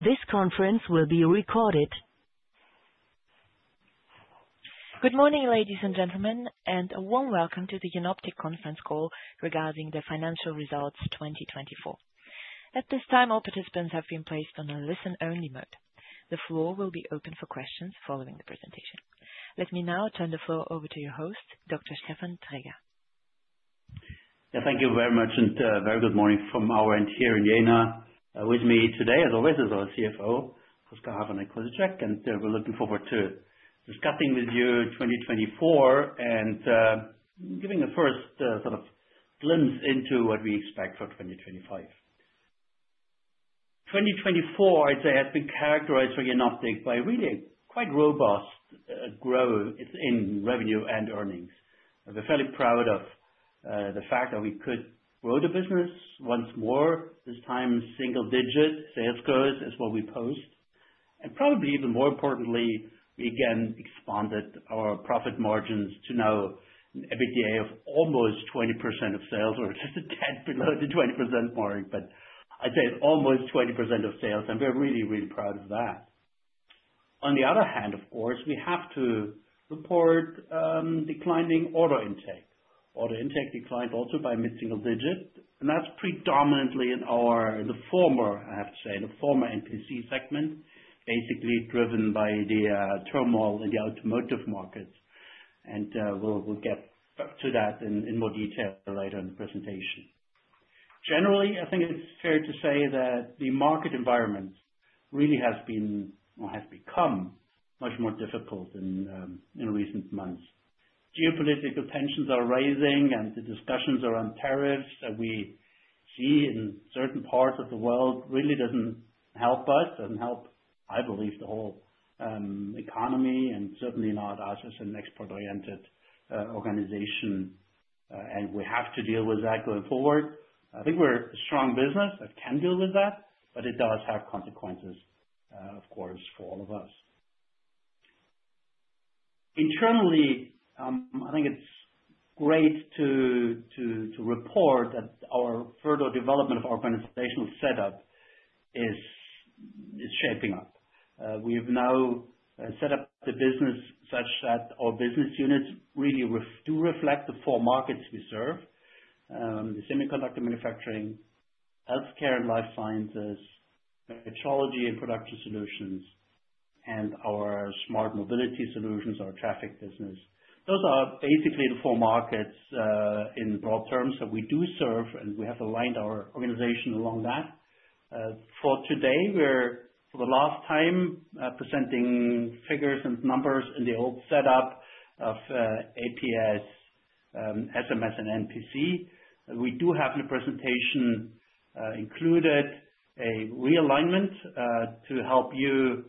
This conference will be recorded. Good morning, ladies and gentlemen, and a warm welcome to the Jenoptik conference call regarding the financial results 2024. At this time, all participants have been placed on a listen-only mode. The floor will be open for questions following the presentation. Let me now turn the floor over to your host, Dr. Stefan Traeger. Yeah, thank you very much, and very good morning from our end here in Jena. With me today, as always, is our CFO, Prisca Havranek-Kosicek, and we're looking forward to discussing with you 2024 and giving a first sort of glimpse into what we expect for 2025. 2024, I'd say, has been characterized for Jenoptik by really quite robust growth in revenue and earnings. We're fairly proud of the fact that we could grow the business once more, this time single-digit sales growth is what we post. And probably even more importantly, we again expanded our profit margins to now an EBITDA of almost 20% of sales, or just a tad below the 20% mark, but I'd say almost 20% of sales, and we're really, really proud of that. On the other hand, of course, we have to report declining order intake. Order intake declined also by mid-single digit, and that's predominantly in our, in the former, I have to say, in the former NPC segment, basically driven by the turmoil in the automotive markets. We will get back to that in more detail later in the presentation. Generally, I think it's fair to say that the market environment really has been, or has become, much more difficult in recent months. Geopolitical tensions are raising, and the discussions around tariffs that we see in certain parts of the world really don't help us, don't help, I believe, the whole economy, and certainly not us as an export-oriented organization. We have to deal with that going forward. I think we're a strong business that can deal with that, but it does have consequences, of course, for all of us. Internally, I think it's great to report that our further development of our organizational setup is shaping up. We have now set up the business such that our business units really do reflect the four markets we serve: the semiconductor manufacturing, healthcare and life sciences, Metrology & Production solutions, and Smart Mobility solutions, our traffic business. Those are basically the four markets in broad terms that we do serve, and we have aligned our organization along that. For today, we're, for the last time, presenting figures and numbers in the old setup of APS, SMS, and NPC. We do have in the presentation included a realignment to help you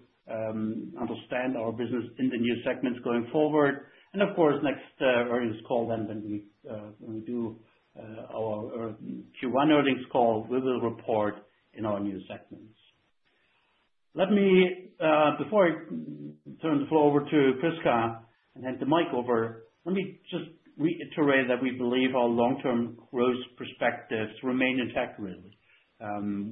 understand our business in the new segments going forward. Of course, next earnings call, then when we do our Q1 earnings call, we will report in our new segments. Let me, before I turn the floor over to Prisca and hand the mic over, let me just reiterate that we believe our long-term growth perspectives remain intact, really.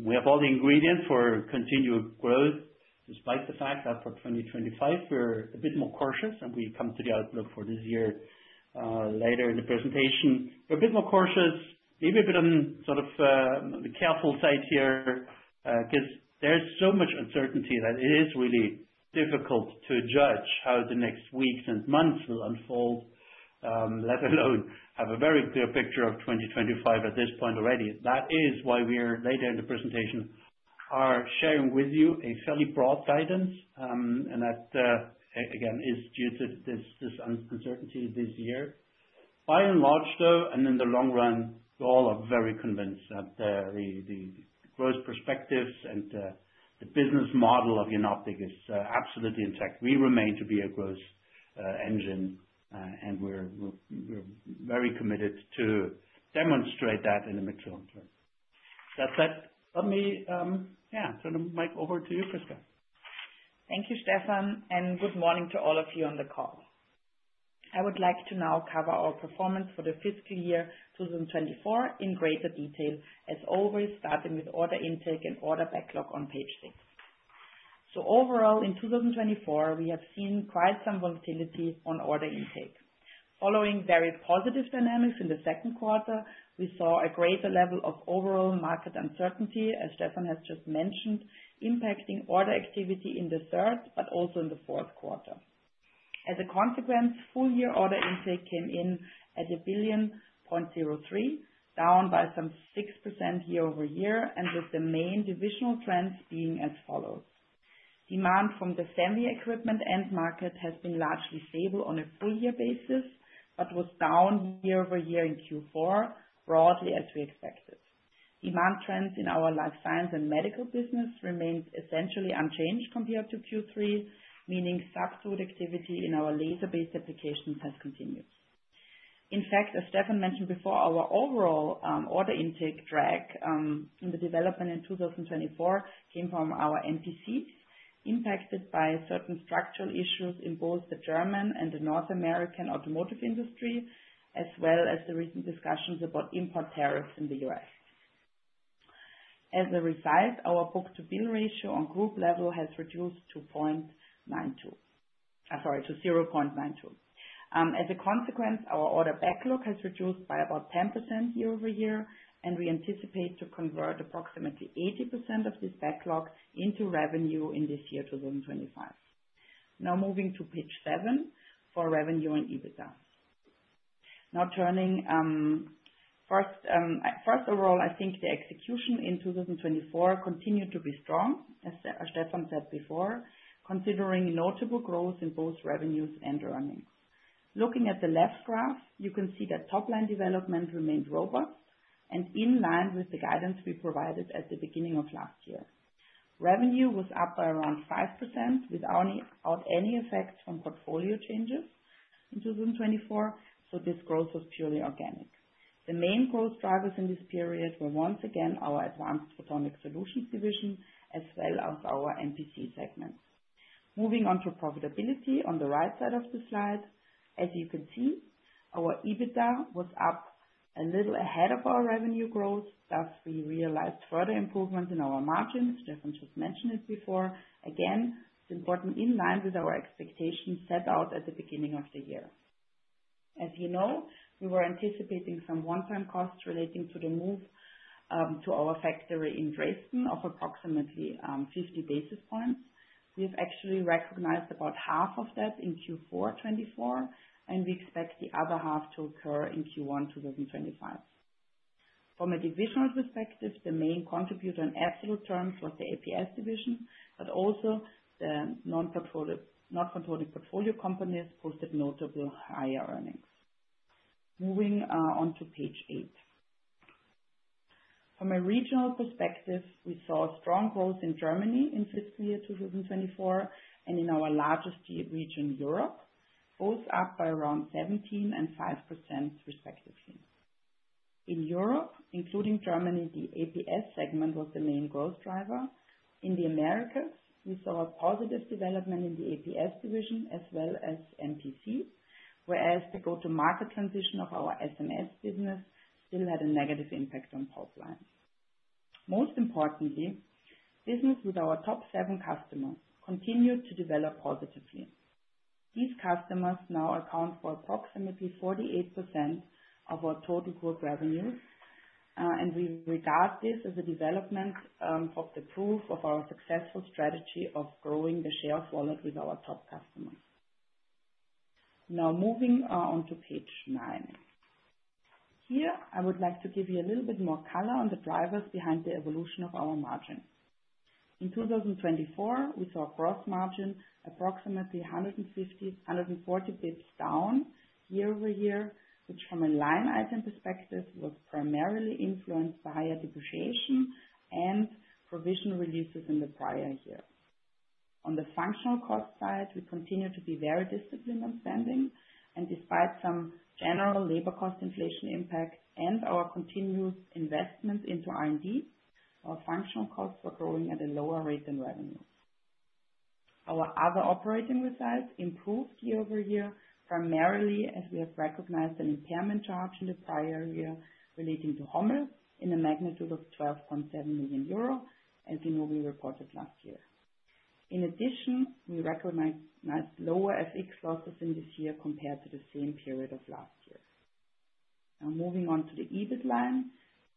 We have all the ingredients for continued growth, despite the fact that for 2025 we're a bit more cautious, and we've come to the outlook for this year later in the presentation. We're a bit more cautious, maybe a bit on sort of the careful side here, because there's so much uncertainty that it is really difficult to judge how the next weeks and months will unfold, let alone have a very clear picture of 2025 at this point already. That is why we're later in the presentation sharing with you a fairly broad guidance, and that, again, is due to this uncertainty this year. By and large, though, and in the long run, we all are very convinced that the growth perspectives and the business model of Jenoptik is absolutely intact. We remain to be a growth engine, and we're very committed to demonstrate that in the midterm. That said, let me, yeah, turn the mic over to you, Prisca. Thank you, Stefan, and good morning to all of you on the call. I would like to now cover our performance for the fiscal year 2024 in greater detail, as always, starting with order intake and order backlog on page six. Overall, in 2024, we have seen quite some volatility on order intake. Following very positive dynamics in the second quarter, we saw a greater level of overall market uncertainty, as Stefan has just mentioned, impacting order activity in the third, but also in the fourth quarter. As a consequence, full-year order intake came in at 1.03 billion, down by some 6% year-over-year, and with the main divisional trends being as follows. Demand from the Semi-equipment end market has been largely stable on a full-year basis, but was down year-over-year in Q4, broadly as we expected. Demand trends in our Life Science and Medical business remained essentially unchanged compared to Q3, meaning subshoot activity in our laser-based applications has continued. In fact, as Stefan mentioned before, our overall order intake drag in the development in 2024 came from our NPC, impacted by certain structural issues in both the German and the North American automotive industry, as well as the recent discussions about import tariffs in the U.S. As a result, our book-to-bill ratio on group level has reduced to 0.92. As a consequence, our order backlog has reduced by about 10% year-over-year, and we anticipate to convert approximately 80% of this backlog into revenue in this year 2025. Now moving to page seven for revenue and EBITDA. Now turning, first overall, I think the execution in 2024 continued to be strong, as Stefan said before, considering notable growth in both revenues and earnings. Looking at the left graph, you can see that top-line development remained robust and in line with the guidance we provided at the beginning of last year. Revenue was up by around 5% without any effect from portfolio changes in 2024, so this growth was purely organic. The main growth drivers in this period were once again our Advanced Photonic Solutions division, as well as our NPC segment. Moving on to profitability on the right side of the slide, as you can see, our EBITDA was up a little ahead of our revenue growth, thus we realized further improvements in our margins, as Stefan just mentioned it before. Again, it's important in line with our expectations set out at the beginning of the year. As you know, we were anticipating some one-time costs relating to the move to our factory in Dresden of approximately 50 basis points. We have actually recognized about half of that in Q4 2024, and we expect the other half to occur in Q1 2025. From a divisional perspective, the main contributor in absolute terms was the APS division, but also the non-controlling portfolio companies posted notable higher earnings. Moving on to page eight. From a regional perspective, we saw strong growth in Germany in fiscal year 2024 and in our largest region, Europe, both up by around 17% and 5% respectively. In Europe, including Germany, the APS segment was the main growth driver. In the Americas, we saw a positive development in the APS division as well as NPC, whereas the go-to-market transition of our SMS business still had a negative impact on pipelines. Most importantly, business with our top seven customers continued to develop positively. These customers now account for approximately 48% of our total group revenues, and we regard this as a development of the proof of our successful strategy of growing the share of wallet with our top customers. Now moving on to page nine. Here, I would like to give you a little bit more color on the drivers behind the evolution of our margins. In 2024, we saw a gross margin approximately 150, 140 basis points down year-over-year, which from a line item perspective was primarily influenced by higher depreciation and provision releases in the prior year. On the functional cost side, we continue to be very disciplined on spending, and despite some general labor cost inflation impact and our continued investments into R&D, our functional costs were growing at a lower rate than revenue. Our other operating results improved year-over-year, primarily as we have recognized an impairment charge in the prior year relating to HOMMEL ETAMIC in a magnitude of 12.7 million euro, as you know we reported last year. In addition, we recognized lower FX losses in this year compared to the same period of last year. Now moving on to the EBIT line,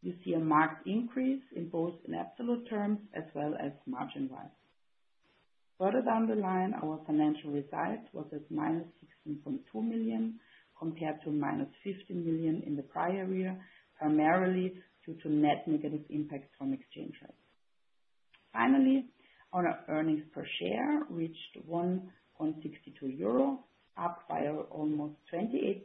you see a marked increase in both absolute terms as well as margin-wise. Further down the line, our financial result was at -16.2 million compared to -15 million in the prior year, primarily due to net negative impact from exchange rates. Finally, our earnings per share reached 1.62 euro, up by almost 28%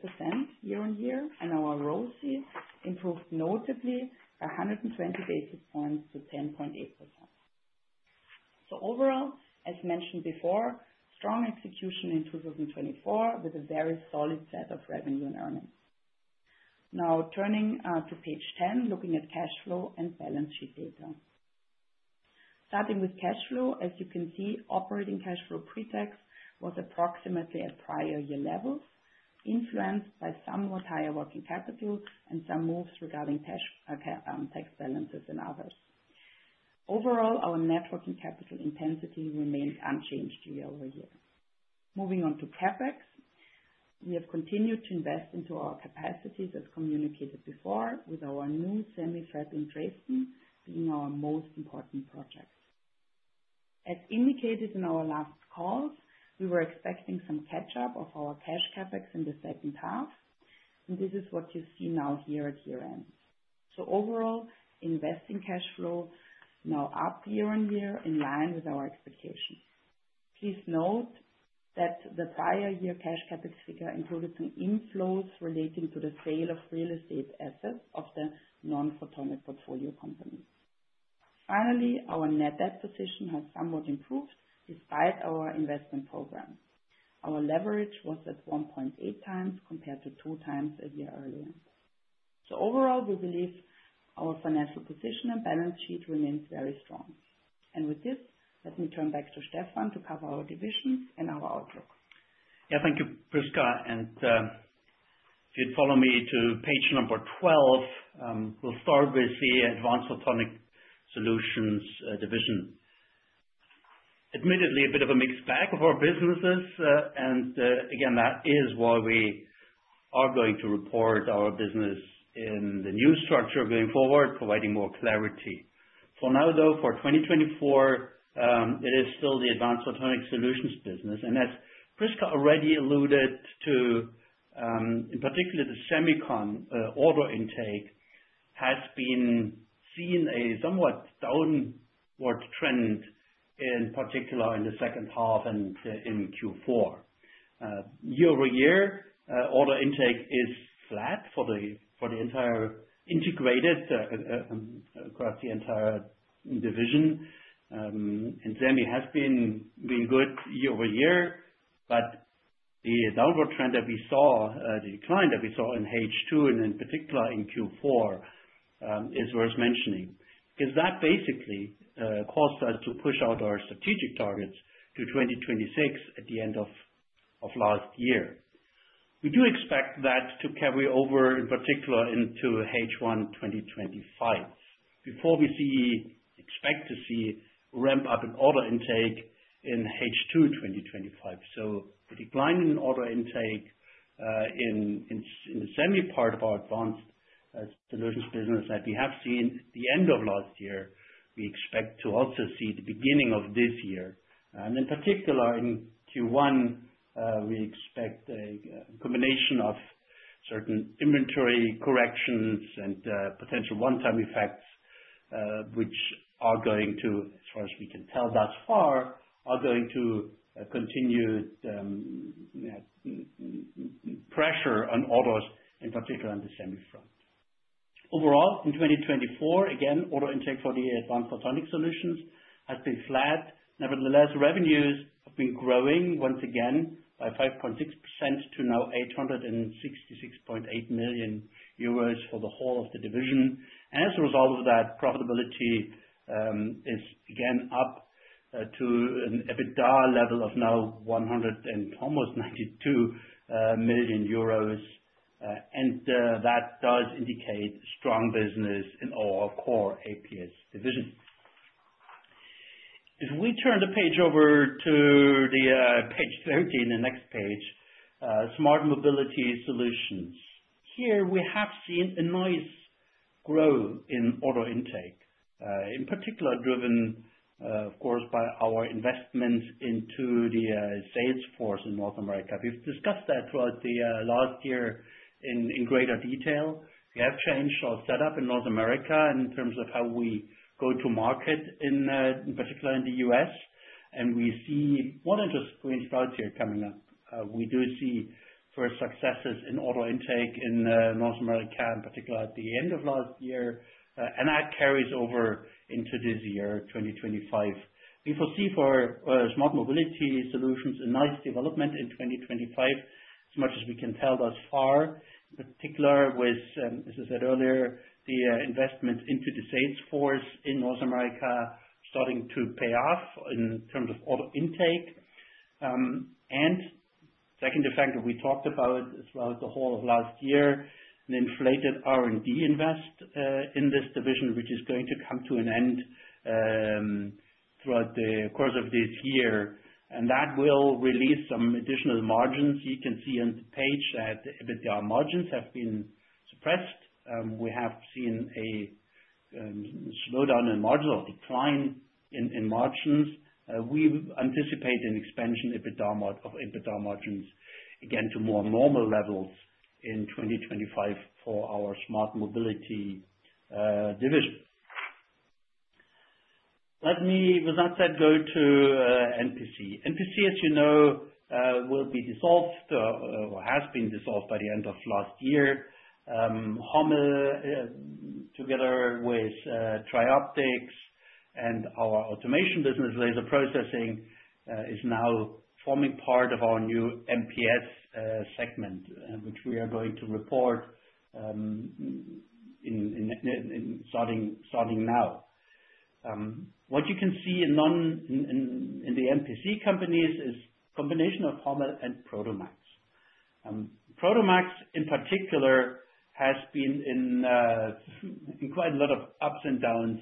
year-on-year, and our ROCE improved notably by 120 basis points to 10.8%. Overall, as mentioned before, strong execution in 2024 with a very solid set of revenue and earnings. Now turning to page 10, looking at cash flow and balance sheet data. Starting with cash flow, as you can see, operating cash flow pre-tax was approximately at prior year levels, influenced by somewhat higher working capital and some moves regarding tax balances and others. Overall, our net working capital intensity remained unchanged year-over-year. Moving on to CapEx, we have continued to invest into our capacities, as communicated before, with our new semi-thread in Dresden being our most important project. As indicated in our last calls, we were expecting some catch-up of our cash CapEx in the second half, and this is what you see now here at year-end. Overall, investing cash flow now up year-on-year in line with our expectations. Please note that the prior year cash CapEx figure included some inflows relating to the sale of real estate assets of the Non-Photonic Portfolio Company. Finally, our net debt position has somewhat improved despite our investment program. Our leverage was at 1.8x compared to 2x a year earlier. Overall, we believe our financial position and balance sheet remains very strong. With this, let me turn back to Stefan to cover our divisions and our outlook. Yeah, thank you, Prisca. If you'd follow me to page number 12, we'll start with the Advanced Photonic Solutions division. Admittedly, a bit of a mixed bag of our businesses, and again, that is why we are going to report our business in the new structure going forward, providing more clarity. For now, though, for 2024, it is still the Advanced Photonic Solutions business. As Prisca already alluded to, in particular, the Semicon order intake has been seen a somewhat downward trend, in particular in the second half and in Q4. year-over-year, order intake is flat for the entire integrated across the entire division. Semi has been good year-over-year, but the downward trend that we saw, the decline that we saw in H2 and in particular in Q4, is worth mentioning, because that basically caused us to push out our strategic targets to 2026 at the end of last year. We do expect that to carry over, in particular, into H1 2025, before we expect to see ramp up in order intake in H2 2025. The decline in order intake in the semi-part of Advanced Photonic Solutions business that we have seen at the end of last year, we expect to also see at the beginning of this year. In particular, in Q1, we expect a combination of certain inventory corrections and potential one-time effects, which are going to, as far as we can tell thus far, continue pressure on orders, in particular on the semi front. Overall, in 2024, again, order intake for the Advanced Photonic Solutions has been flat. Nevertheless, revenues have been growing once again by 5.6% to now 866.8 million euros for the whole of the division. As a result of that, profitability is again up to an EBITDA level of now 192 million euros, and that does indicate strong business in our core APS division. If we turn the page over to page 13, the next Smart Mobility solutions. here, we have seen a nice growth in order intake, in particular driven, of course, by our investments into the sales force in North America. We've discussed that throughout the last year in greater detail. We have changed our setup in North America in terms of how we go to market, in particular in the U.S., and we see more interesting sprouts here coming up. We do see first successes in order intake in North America, in particular at the end of last year, and that carries over into this year, 2025. We foresee Smart Mobility solutions a nice development in 2025, as much as we can tell thus far, in particular with, as I said earlier, the investment into the sales force in North America starting to pay off in terms of order intake. The fact that we talked about as well as the whole of last year, the inflated R&D invest in this division, which is going to come to an end throughout the course of this year, and that will release some additional margins. You can see on the page that EBITDA margins have been suppressed. We have seen a slowdown in margins or decline in margins. We anticipate an expansion of EBITDA margins again to more normal levels in 2025 for our Smart Mobility division. Let me, with that said, go to NPC. NPC, as you know, will be dissolved or has been dissolved by the end of last year. HOMMEL ETAMIC, together with TRIOPTICS and our automation business, laser processing, is now forming part of our new MPS segment, which we are going to report starting now. What you can see in the NPC companies is a combination of HOMMEL ETAMIC and Prodomax. Prodomax, in particular, has been in quite a lot of ups and downs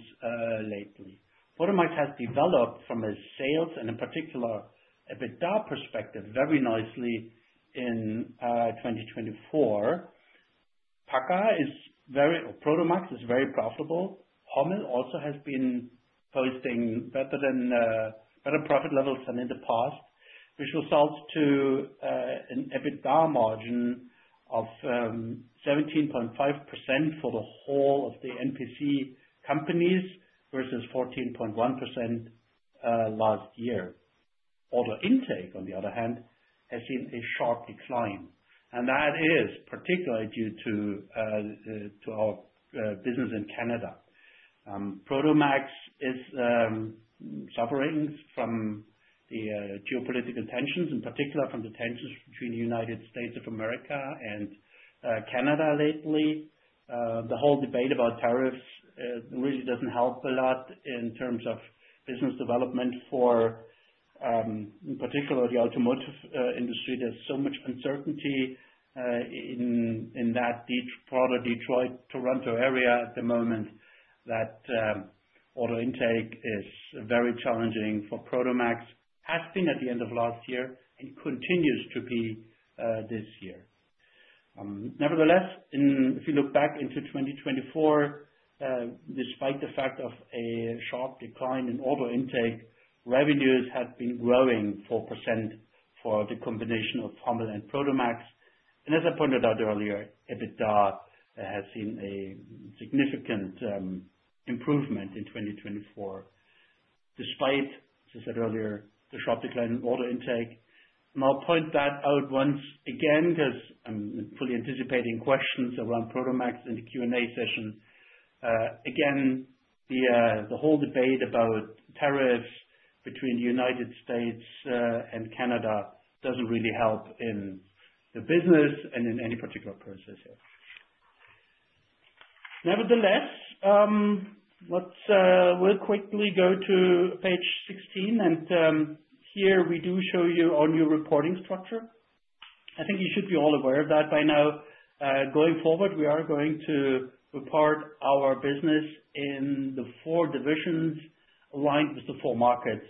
lately. Prodomax has developed from a sales and, in particular, EBITDA perspective very nicely in 2024. Prodomax is very profitable. HOMMEL ETAMIC also has been posting better profit levels than in the past, which results in an EBITDA margin of 17.5% for the whole of the NPC companies versus 14.1% last year. Order intake, on the other hand, has seen a sharp decline, and that is particularly due to our business in Canada. Prodomax is suffering from the geopolitical tensions, in particular from the tensions between the United States and Canada lately. The whole debate about tariffs really doesn't help a lot in terms of business development for, in particular, the automotive industry. There's so much uncertainty in that broader Detroit, Toronto area at the moment that order intake is very challenging for Prodomax. It has been at the end of last year and continues to be this year. Nevertheless, if you look back into 2024, despite the fact of a sharp decline in order intake, revenues have been growing 4% for the combination of HOMMEL ETAMIC and Prodomax. As I pointed out earlier, EBITDA has seen a significant improvement in 2024, despite, as I said earlier, the sharp decline in order intake. I'll point that out once again because I'm fully anticipating questions around Prodomax in the Q&A session. The whole debate about tariffs between the United States and Canada doesn't really help in the business and in any particular process here. Nevertheless, let's real quickly go to page 16, and here we do show you our new reporting structure. I think you should be all aware of that by now. Going forward, we are going to report our business in the four divisions aligned with the four markets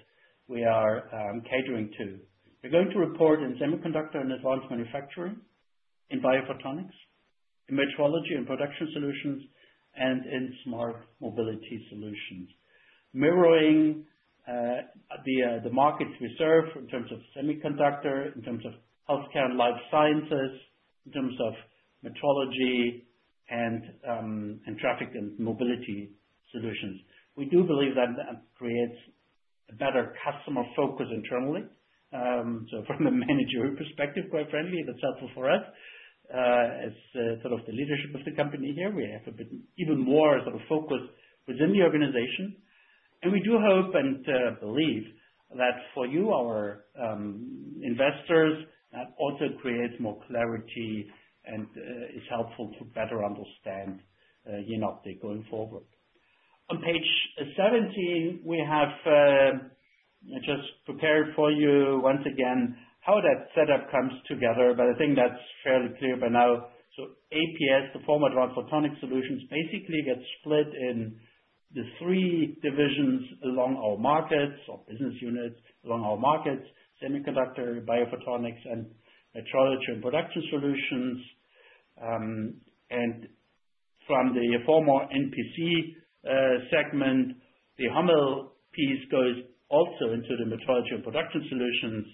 we are catering to. We're going to report in Semiconductor & Advanced Manufacturing, in Biophotonics, in Metrology & Production Solutions, and Smart Mobility solutions, mirroring the markets we serve in terms of Semiconductor, in terms of Healthcare and Life Sciences, in terms of Metrology and Traffic and Mobility Solutions. We do believe that that creates a better customer focus internally. From a managerial perspective, quite frankly, that's helpful for us as sort of the leadership of the company here. We have a bit even more sort of focus within the organization, and we do hope and believe that for you, our investors, that also creates more clarity and is helpful to better understand your uptake going forward. On page 17, we have just prepared for you once again how that setup comes together, but I think that's fairly clear by now. APS, the former Advanced Photonic Solutions, basically gets split in the three divisions along our markets or business units along our markets: Semiconductor, Biophotonics, and Metrology & Production Solutions. From the former NPC segment, the HOMMEL ETAMIC piece goes also into the Metrology & Production Solutions,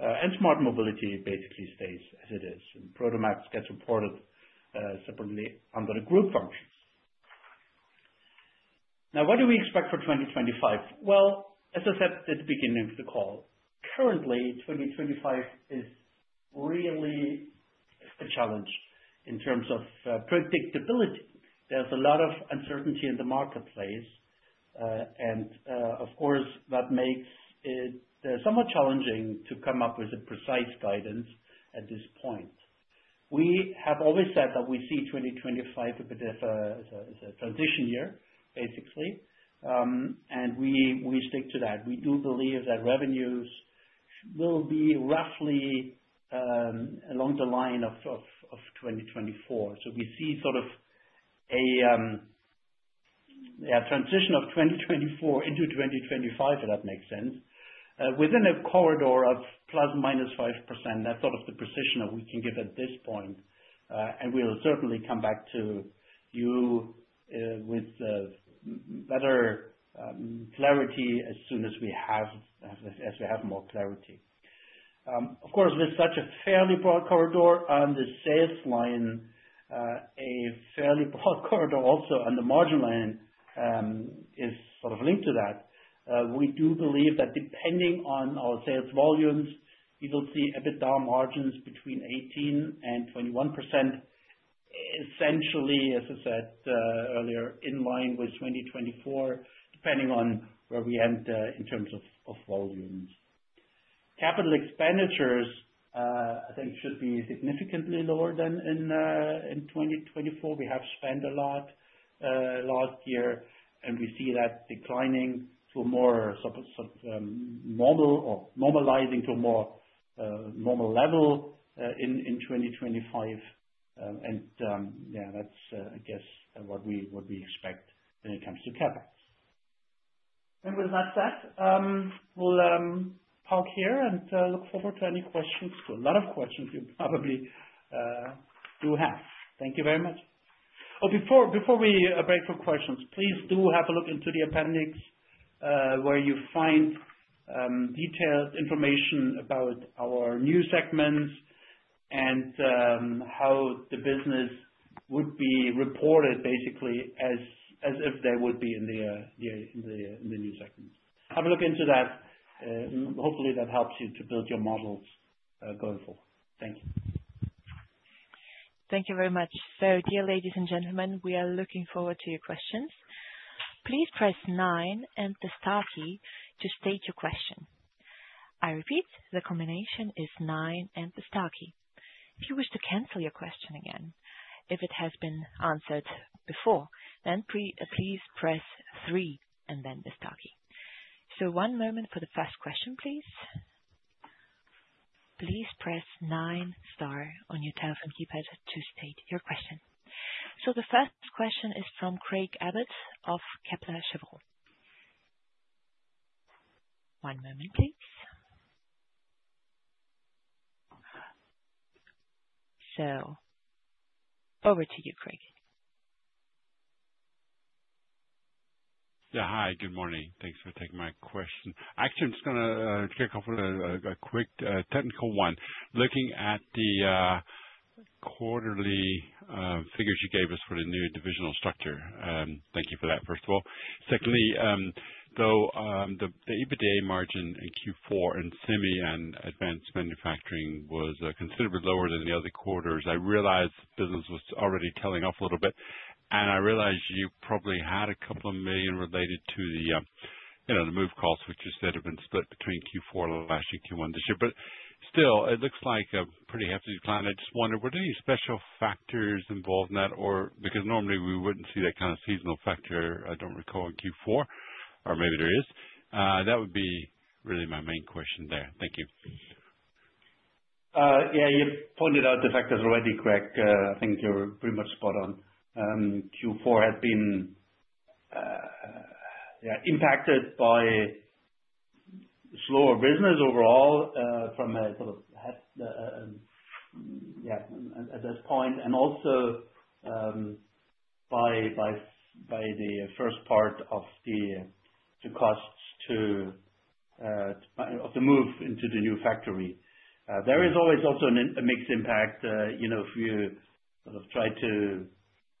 and Smart Mobility basically stays as it is. Prodomax gets reported separately under the group functions. Now, what do we expect for 2025? As I said at the beginning of the call, currently, 2025 is really a challenge in terms of predictability. There's a lot of uncertainty in the marketplace, and of course, that makes it somewhat challenging to come up with precise guidance at this point. We have always said that we see 2025 a bit as a transition year, basically, and we stick to that. We do believe that revenues will be roughly along the line of 2024. We see sort of a transition of 2024 into 2025, if that makes sense, within a corridor of ±5%. That is sort of the precision that we can give at this point, and we will certainly come back to you with better clarity as soon as we have more clarity. Of course, with such a fairly broad corridor on the sales line, a fairly broad corridor also on the margin line is sort of linked to that. We do believe that depending on our sales volumes, you will see EBITDA margins between 18-21%, essentially, as I said earlier, in line with 2024, depending on where we end in terms of volumes. Capital expenditures, I think, should be significantly lower than in 2024. We have spent a lot last year, and we see that declining to a more normal or normalizing to a more normal level in 2025. Yeah, that's, I guess, what we expect when it comes to capital. With that said, we'll park here and look forward to any questions, to a lot of questions you probably do have. Thank you very much. Oh, before we break for questions, please do have a look into the appendix where you find detailed information about our new segments and how the business would be reported, basically, as if they would be in the new segments. Have a look into that. Hopefully, that helps you to build your models going forward. Thank you. Thank you very much. Dear ladies and gentlemen, we are looking forward to your questions. Please press nine and the star key to state your question. I repeat, the combination is nine and the star key. If you wish to cancel your question again, if it has been answered before, then please press three and then the star key. One moment for the first question, please. Please press nine star on your telephone keypad to state your question. The first question is from Craig Abbott of Kepler Cheuvreux. One moment, please. Over to you, Craig. Yeah, hi, good morning. Thanks for taking my question. Actually, I'm just going to kick off with a quick technical one. Looking at the quarterly figures you gave us for the new divisional structure, thank you for that, first of all. Secondly, though, the EBITDA margin in Q4 in Semi and Advanced Manufacturing was considerably lower than the other quarters. I realized business was already tailing off a little bit, and I realized you probably had a couple of million related to the move costs, which you said have been split between Q4 last year and Q1 this year. Still, it looks like a pretty hefty decline. I just wondered, were there any special factors involved in that? Because normally, we wouldn't see that kind of seasonal factor, I don't recall, in Q4, or maybe there is. That would be really my main question there. Thank you. Yeah, you pointed out the factors already, Craig. I think you're pretty much spot on. Q4 had been impacted by slower business overall from a sort of, yeah, at this point, and also by the first part of the costs of the move into the new factory. There is always also a mixed impact if you sort of try to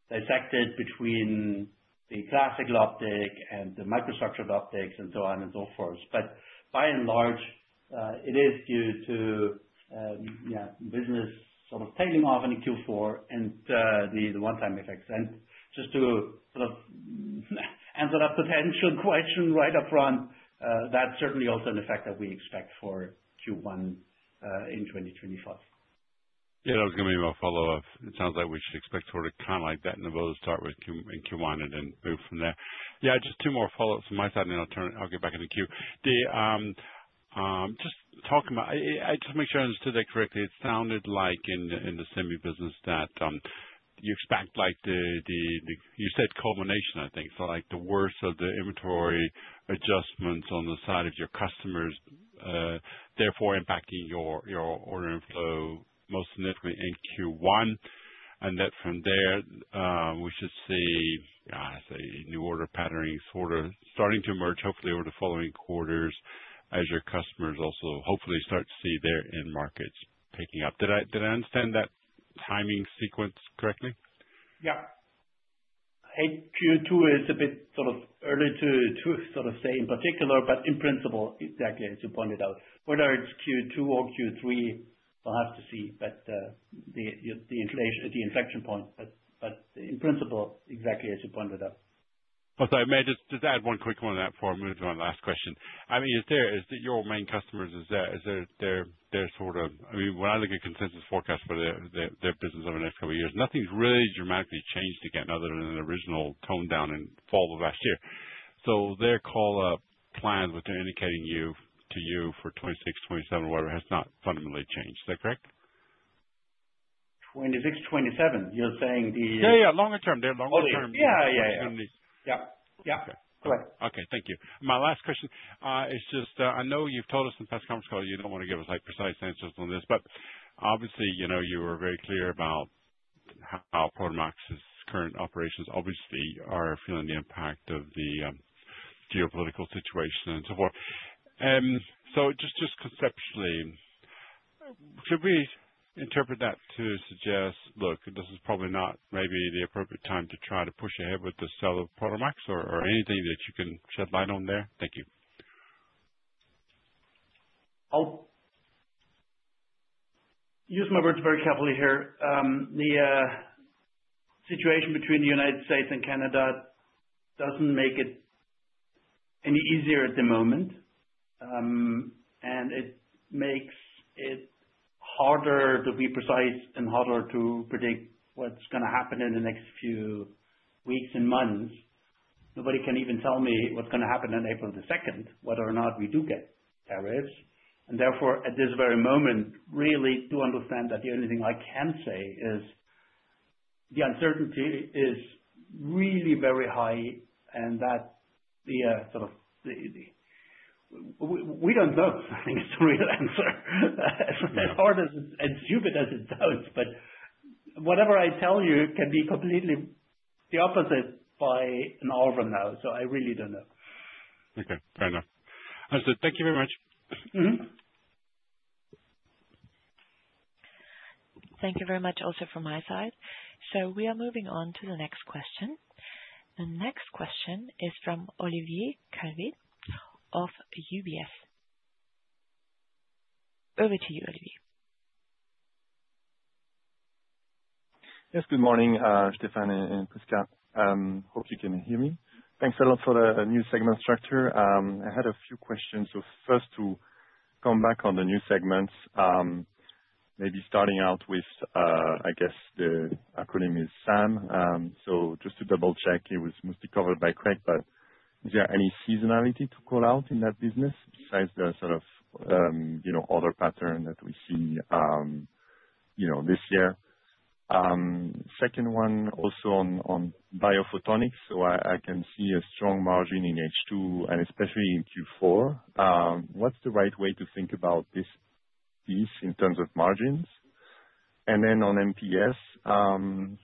dissect it between the classic optic and the microstructured optics and so on and so forth. By and large, it is due to, yeah, business sort of tailing off in Q4 and the one-time effects. Just to sort of answer that potential question right up front, that's certainly also an effect that we expect for Q1 in 2025. Yeah, that was going to be my follow-up. It sounds like we should expect sort of kind of like that in the middle of the start with Q1 and then move from there. Yeah, just two more follow-ups on my side, and then I'll get back into Q. Just talking about, I just want to make sure I understood that correctly. It sounded like in the semi business that you expect the, you said culmination, I think, so like the worst of the inventory adjustments on the side of your customers, therefore impacting your order inflow most significantly in Q1, and that from there, we should see, yeah, I'd say new order patterns sort of starting to emerge hopefully over the following quarters as your customers also hopefully start to see their end markets picking up. Did I understand that timing sequence correctly? Yeah. Q2 is a bit sort of early to sort of say in particular, but in principle, exactly as you pointed out. Whether it's Q2 or Q3, we'll have to see the inflection point, but in principle, exactly as you pointed out. I'll say, may I just add one quick one on that before I move to my last question? I mean, is your main customers, is their sort of, I mean, when I look at consensus forecast for their business over the next couple of years, nothing's really dramatically changed again other than the original tone down in fall of last year. So their call-up plans, which are indicating to you for 2026, 2027, whatever, has not fundamentally changed. Is that correct? 2026, 2027. You're saying the. Yeah, yeah, longer term. They're longer term. Oh, yeah, yeah. Yep. Go ahead. Okay. Thank you. My last question is just, I know you've told us in past conference calls you don't want to give us precise answers on this, but obviously, you were very clear about how Prodomax's current operations obviously are feeling the impact of the geopolitical situation and so forth. Just conceptually, should we interpret that to suggest, look, this is probably not maybe the appropriate time to try to push ahead with the sale of Prodomax or anything that you can shed light on there? Thank you. I'll use my words very carefully here. The situation between the United States and Canada doesn't make it any easier at the moment, and it makes it harder to be precise and harder to predict what's going to happen in the next few weeks and months. Nobody can even tell me what's going to happen on April the 2nd, whether or not we do get tariffs. Therefore, at this very moment, really do understand that the only thing I can say is the uncertainty is really very high and that the sort of we don't know, I think, is the real answer. As hard as it is and stupid as it sounds, but whatever I tell you can be completely the opposite by an hour from now, so I really don't know. Okay. Fair enough. Understood. Thank you very much. Thank you very much also from my side. We are moving on to the next question. The next question is from Olivier Calvet of UBS. Over to you, Olivier. Yes, good morning, Stefan and Prisca. Hope you can hear me. Thanks a lot for the new segment structure. I had a few questions. First, to come back on the new segments, maybe starting out with, I guess, the acronym is SAM. Just to double-check, it was mostly covered by Craig, but is there any seasonality to call out in that business besides the sort of order pattern that we see this year? Second one, also on Biophotonics, I can see a strong margin in H2 and especially in Q4. What's the right way to think about this piece in terms of margins? Then on MPS,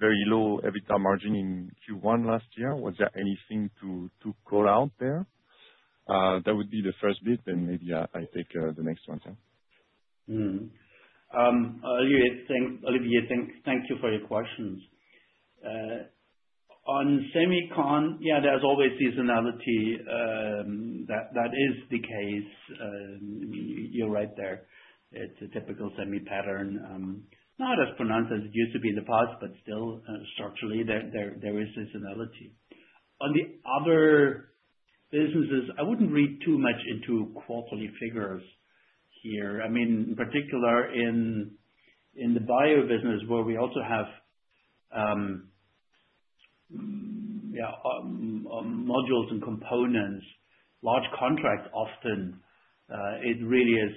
very low EBITDA margin in Q1 last year. Was there anything to call out there? That would be the first bit, then maybe I take the next one. Olivier, thank you for your questions. On Semi-con, yeah, there's always seasonality. That is the case. You're right there. It's a typical semi pattern. Not as pronounced as it used to be in the past, but still, structurally, there is seasonality. On the other businesses, I wouldn't read too much into quarterly figures here. I mean, in particular, in the Bio business, where we also have modules and components, large contracts often, it really is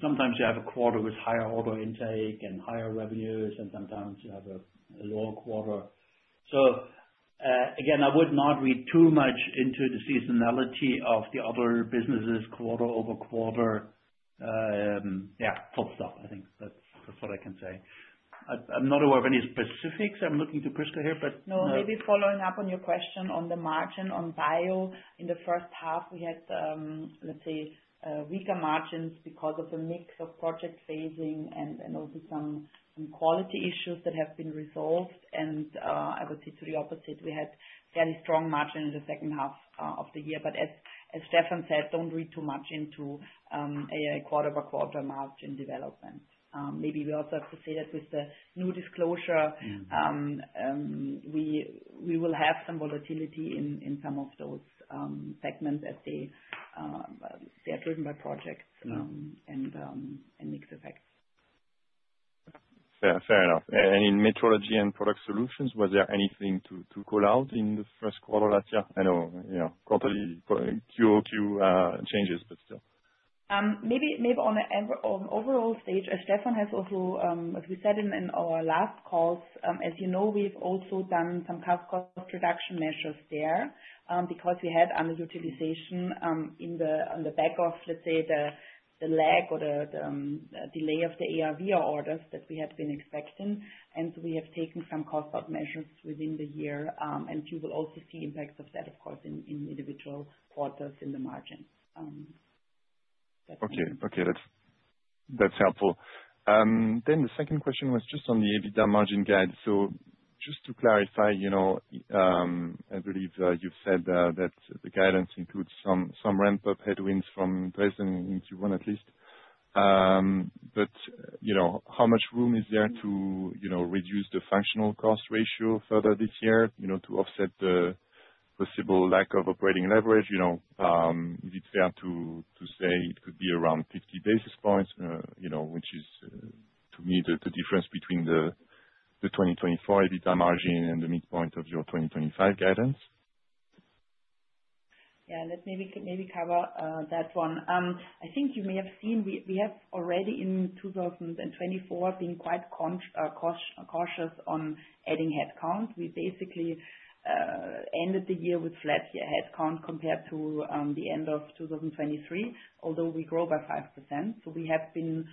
sometimes you have a quarter with higher order intake and higher revenues, and sometimes you have a lower quarter. I would not read too much into the seasonality of the other businesses quarter-over-quarter. Full stop, I think. That's what I can say. I'm not aware of any specifics. I'm looking to Prisca here, but no. No, maybe following up on your question on the margin on Bio, in the first half, we had, let's say, weaker margins because of the mix of project phasing and also some quality issues that have been resolved. I would say to the opposite, we had fairly strong margin in the second half of the year. As Stefan said, do not read too much into quarter-by-quarter margin development. Maybe we also have to say that with the new disclosure, we will have some volatility in some of those segments as they are driven by projects and mixed effects. Fair enough. In Metrology & Product Solutions, was there anything to call out in the first quarter last year? I know, yeah, quarterly QOQ changes, but still. Maybe on the overall stage, as Stefan has also, as we said in our last calls, as you know, we've also done some cost reduction measures there because we had underutilization in the back of, let's say, the lag or the delay of the AR/VR orders that we had been expecting. We have taken some cost-out measures within the year, and you will also see impacts of that, of course, in individual quarters in the margin. Okay. Okay. That's helpful. The second question was just on the EBITDA margin guide. Just to clarify, I believe you've said that the guidance includes some ramp-up headwinds from present in Q1 at least. How much room is there to reduce the functional cost ratio further this year to offset the possible lack of operating leverage? Is it fair to say it could be around 50 basis points, which is, to me, the difference between the 2024 EBITDA margin and the midpoint of your 2025 guidance? Yeah, let's maybe cover that one. I think you may have seen we have already in 2024 been quite cautious on adding headcount. We basically ended the year with flat headcount compared to the end of 2023, although we grew by 5%. We have been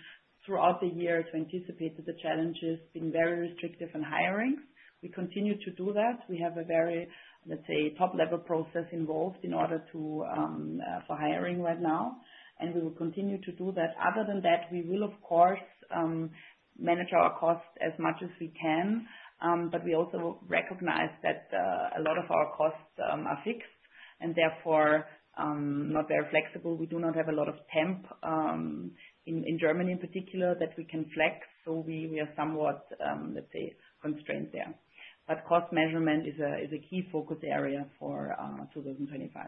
throughout the year to anticipate the challenges, been very restrictive in hiring. We continue to do that. We have a very, let's say, top-level process involved in order for hiring right now, and we will continue to do that. Other than that, we will, of course, manage our costs as much as we can, but we also recognize that a lot of our costs are fixed and therefore not very flexible. We do not have a lot of temp in Germany in particular that we can flex, so we are somewhat, let's say, constrained there. Cost measurement is a key focus area for 2025.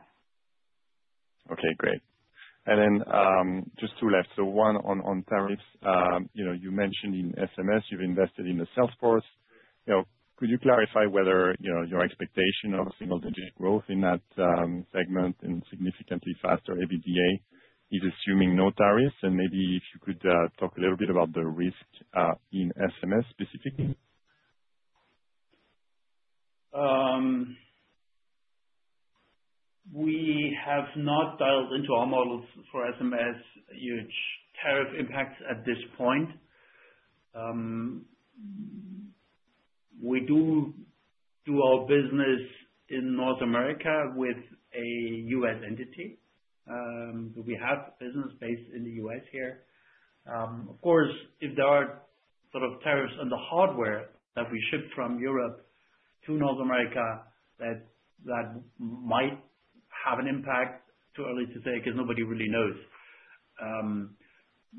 Okay. Great. Just two left. One on tariffs. You mentioned in SMS you have invested in the sales force. Could you clarify whether your expectation of single-digit growth in that segment and significantly faster EBITDA is assuming no tariffs? Maybe if you could talk a little bit about the risk in SMS specifically. We have not dialed into our models for SMS huge tariff impacts at this point. We do do our business in North America with a U.S. entity. We have business based in the U.S. here. Of course, if there are sort of tariffs on the hardware that we ship from Europe to North America, that might have an impact. Too early to say because nobody really knows.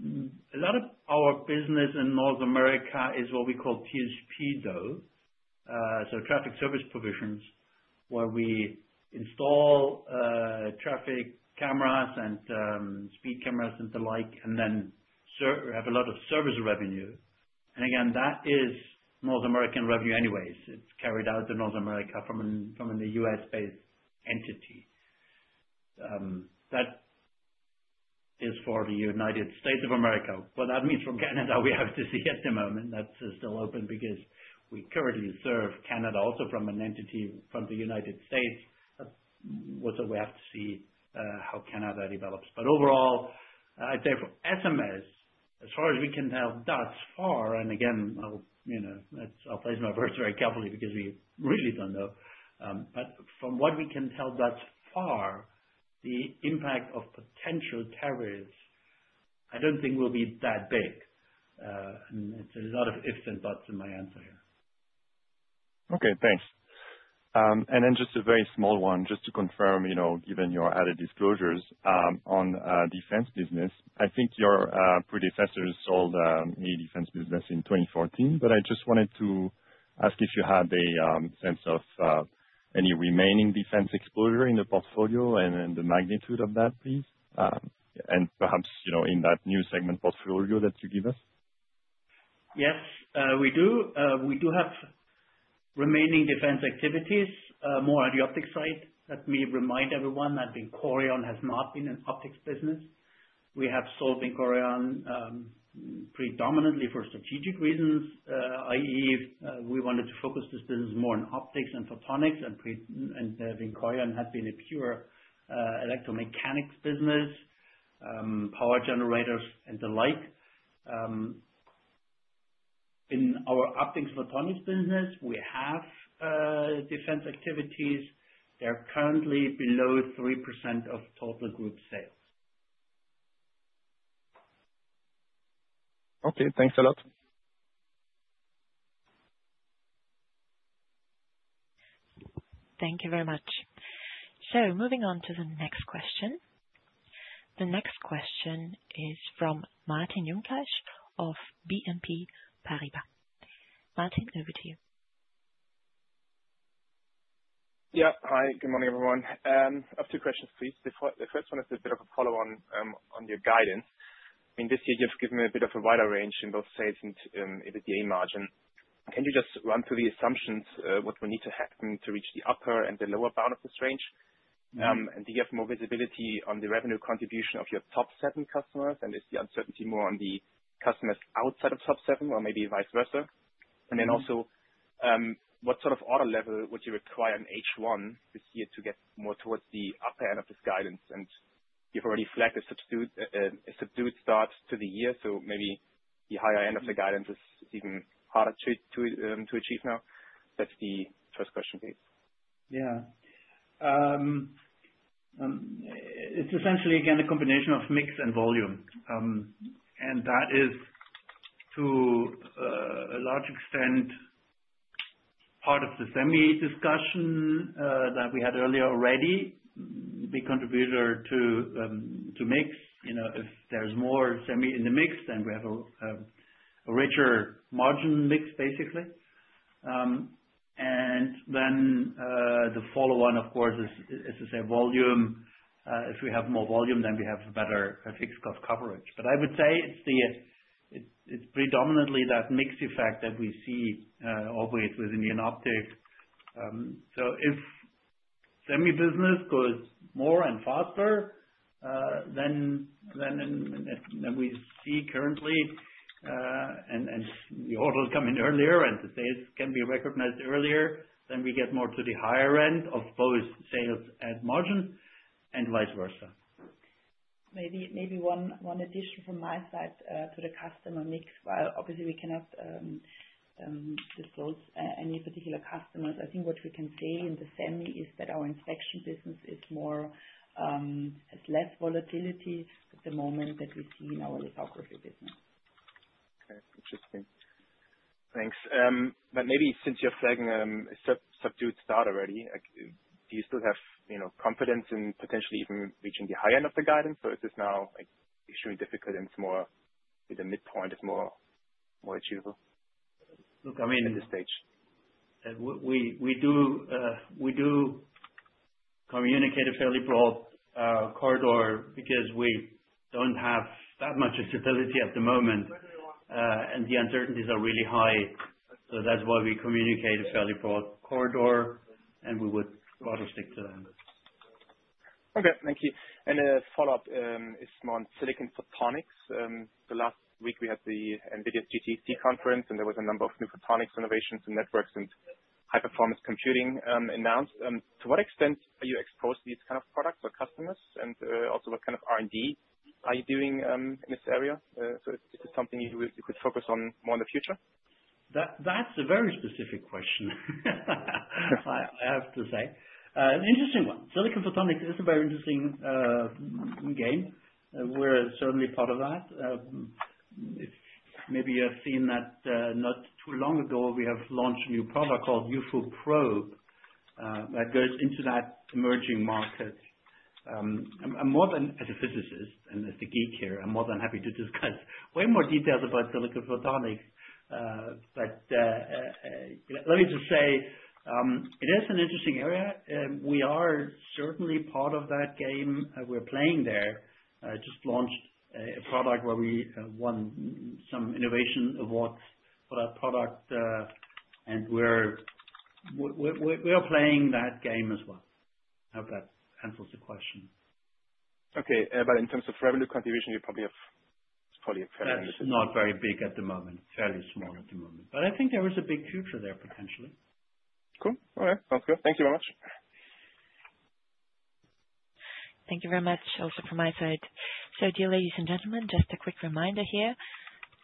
A lot of our business in North America is what we call THPDO, so traffic service provisions, where we install traffic cameras and speed cameras and the like, and then have a lot of service revenue. Again, that is North American revenue anyways. It is carried out in North America from a U.S.-based entity. That is for the United States of America. What that means for Canada, we have to see at the moment. That's still open because we currently serve Canada also from an entity from the United States. Also, we have to see how Canada develops. Overall, I'd say for SMS, as far as we can tell thus far, and again, I'll phrase my words very carefully because we really don't know. From what we can tell thus far, the impact of potential tariffs, I don't think will be that big. It's a lot of ifs and buts in my answer here. Okay. Thanks. Just a very small one, just to confirm, given your added disclosures on Defense business, I think your predecessor sold a Defense business in 2014, but I just wanted to ask if you had a sense of any remaining defense exposure in the portfolio and the magnitude of that, please, and perhaps in that new segment portfolio that you give us. Yes, we do. We do have remaining Defense activities, more on the optics side. Let me remind everyone that VINCORION has not been an optics business. We have sold VINCORION predominantly for strategic reasons, i.e., we wanted to focus this business more on optics and photonics, and VINCORION has been a pure electromechanics business, power generators, and the like. In our Optics Photonics business, we have defense activities. They are currently below 3% of total group sales. Okay. Thanks a lot. Thank you very much. Moving on to the next question. The next question is from Martin Jungfleisch of BNP Paribas. Martin, over to you. Yeah. Hi. Good morning, everyone. I have two questions, please. The first one is a bit of a follow-on on your guidance. I mean, this year, you've given me a bit of a wider range in both sales and EBITDA margin. Can you just run through the assumptions, what will need to happen to reach the upper and the lower bound of this range? Do you have more visibility on the revenue contribution of your top seven customers? Is the uncertainty more on the customers outside of top seven or maybe vice versa? Also, what sort of order level would you require in H1 this year to get more towards the upper end of this guidance? You've already flagged a subdued start to the year, so maybe the higher end of the guidance is even harder to achieve now. That's the first question, please. Yeah. It's essentially, again, a combination of mix and volume. That is, to a large extent, part of the semi discussion that we had earlier already, a big contributor to mix. If there's more semi in the mix, then we have a richer margin mix, basically. The follow-on, of course, is to say volume. If we have more volume, then we have better fixed cost coverage. I would say it's predominantly that mix effect that we see always within the optics. If Semi business goes more and faster than we see currently, and the orders coming earlier and the sales can be recognized earlier, then we get more to the higher end of both sales and margin and vice versa. Maybe one addition from my side to the customer mix, while obviously we cannot disclose any particular customers, I think what we can say in the semi is that our inspection business has less volatility at the moment than we see in our lithography business. Okay. Interesting. Thanks. Maybe since you're flagging a subdued start already, do you still have confidence in potentially even reaching the high end of the guidance? Or is this now extremely difficult, and with the midpoint, it's more achievable at this stage? Look, I mean, we do communicate a fairly broad corridor because we do not have that much stability at the moment, and the uncertainties are really high. That is why we communicate a fairly broad corridor, and we would rather stick to that. Okay. Thank you. A follow-up is on silicon photonics. Last week, we had the NVIDIA GTC conference, and there was a number of new photonics innovations and networks and high-performance computing announced. To what extent are you exposed to these kinds of products or customers? Also, what kind of R&D are you doing in this area? Is this something you could focus on more in the future? That's a very specific question, I have to say. An interesting one. Silicon photonics is a very interesting game. We're certainly part of that. Maybe you have seen that not too long ago, we have launched a new product called UFO Probe that goes into that emerging market. I am more than, as a physicist and as the geek here, I am more than happy to discuss way more details about silicon photonics. Let me just say, it is an interesting area. We are certainly part of that game. We're playing there. I just launched a product where we won some innovation awards for that product, and we're playing that game as well. I hope that answers the question. Okay. In terms of revenue contribution, you probably have fairly. That's not very big at the moment. Fairly small at the moment. I think there is a big future there potentially. Cool. All right. Sounds good. Thank you very much. Thank you very much also from my side. Dear ladies and gentlemen, just a quick reminder here.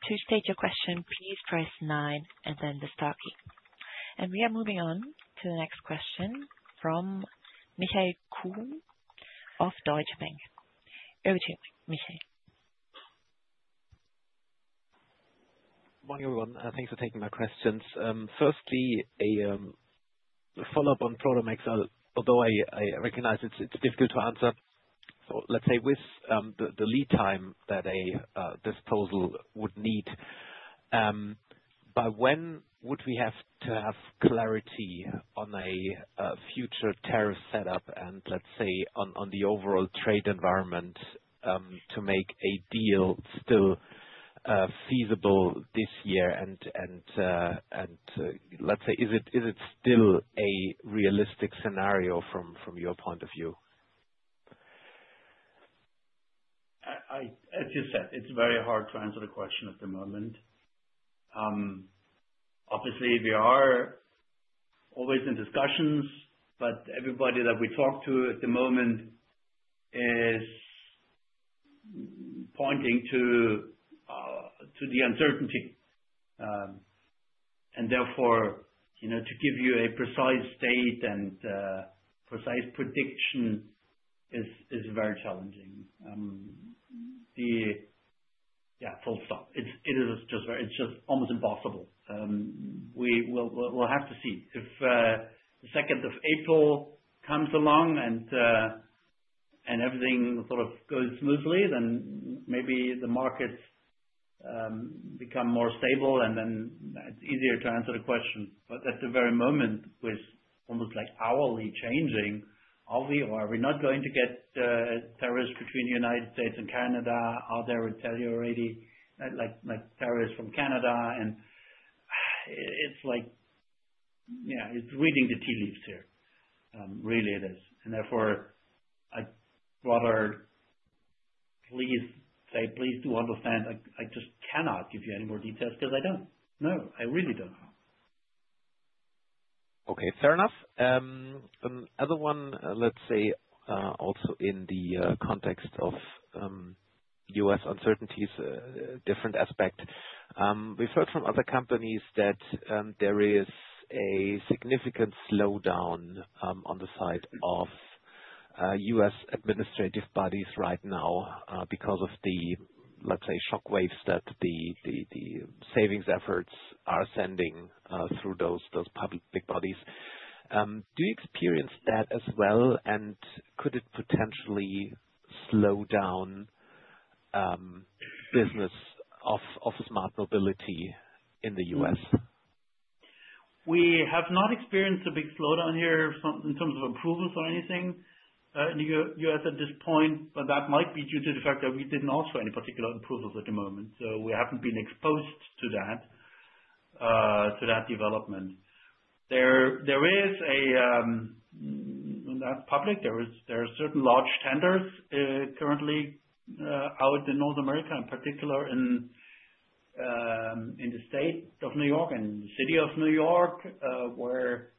To state your question, please press nine and then the star key. We are moving on to the next question from Michael Kuhn of Deutsche Bank. Over to you, Michael. Good morning, everyone. Thanks for taking my questions. Firstly, a follow-up on product mix, although I recognize it's difficult to answer. Let's say with the lead time that a disposal would need, by when would we have to have clarity on a future tariff setup and, let's say, on the overall trade environment to make a deal still feasible this year? Is it still a realistic scenario from your point of view? As you said, it's very hard to answer the question at the moment. Obviously, we are always in discussions, but everybody that we talk to at the moment is pointing to the uncertainty. Therefore, to give you a precise date and precise prediction is very challenging. Full stop. It is just very, it's just almost impossible. We'll have to see. If the 2nd of April comes along and everything sort of goes smoothly, then maybe the markets become more stable, and then it's easier to answer the question. At the very moment, with almost hourly changing, are we not going to get tariffs between the United States and Canada? Are there retaliatory tariffs from Canada? It's like, yeah, it's reading the tea leaves here. Really, it is. Therefore, please do understand, I just cannot give you any more details because I do not know. I really do not know. Okay. Fair enough. Another one, let's say, also in the context of U.S. uncertainties, different aspect. We've heard from other companies that there is a significant slowdown on the side of U.S. administrative bodies right now because of the, let's say, shockwaves that the savings efforts are sending through those public big bodies. Do you experience that as well? And could it potentially slow down business of Smart Mobility in the U.S.? We have not experienced a big slowdown here in terms of approvals or anything in the U.S. at this point, but that might be due to the fact that we did not offer any particular approvals at the moment. We have not been exposed to that development. There is a public, there are certain large tenders currently out in North America, in particular in the state of New York and the city of New York, where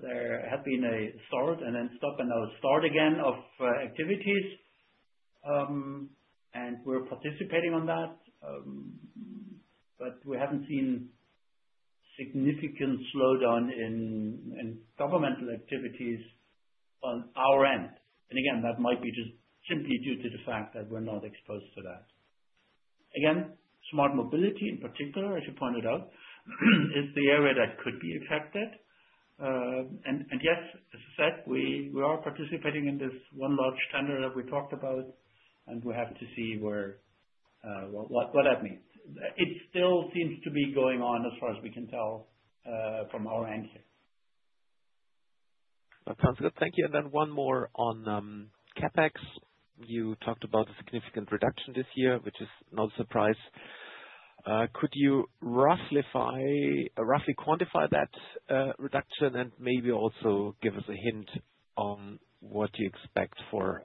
there has been a start and then stop and now start again of activities. We are participating on that, but we have not seen significant slowdown in governmental activities on our end. That might be just simply due to the fact that we are not exposed to that. Smart Mobility in particular, as you pointed out, is the area that could be affected. Yes, as I said, we are participating in this one large tender that we talked about, and we have to see what that means. It still seems to be going on as far as we can tell from our end here. That sounds good. Thank you. One more on CapEx. You talked about a significant reduction this year, which is no surprise. Could you roughly quantify that reduction and maybe also give us a hint on what you expect for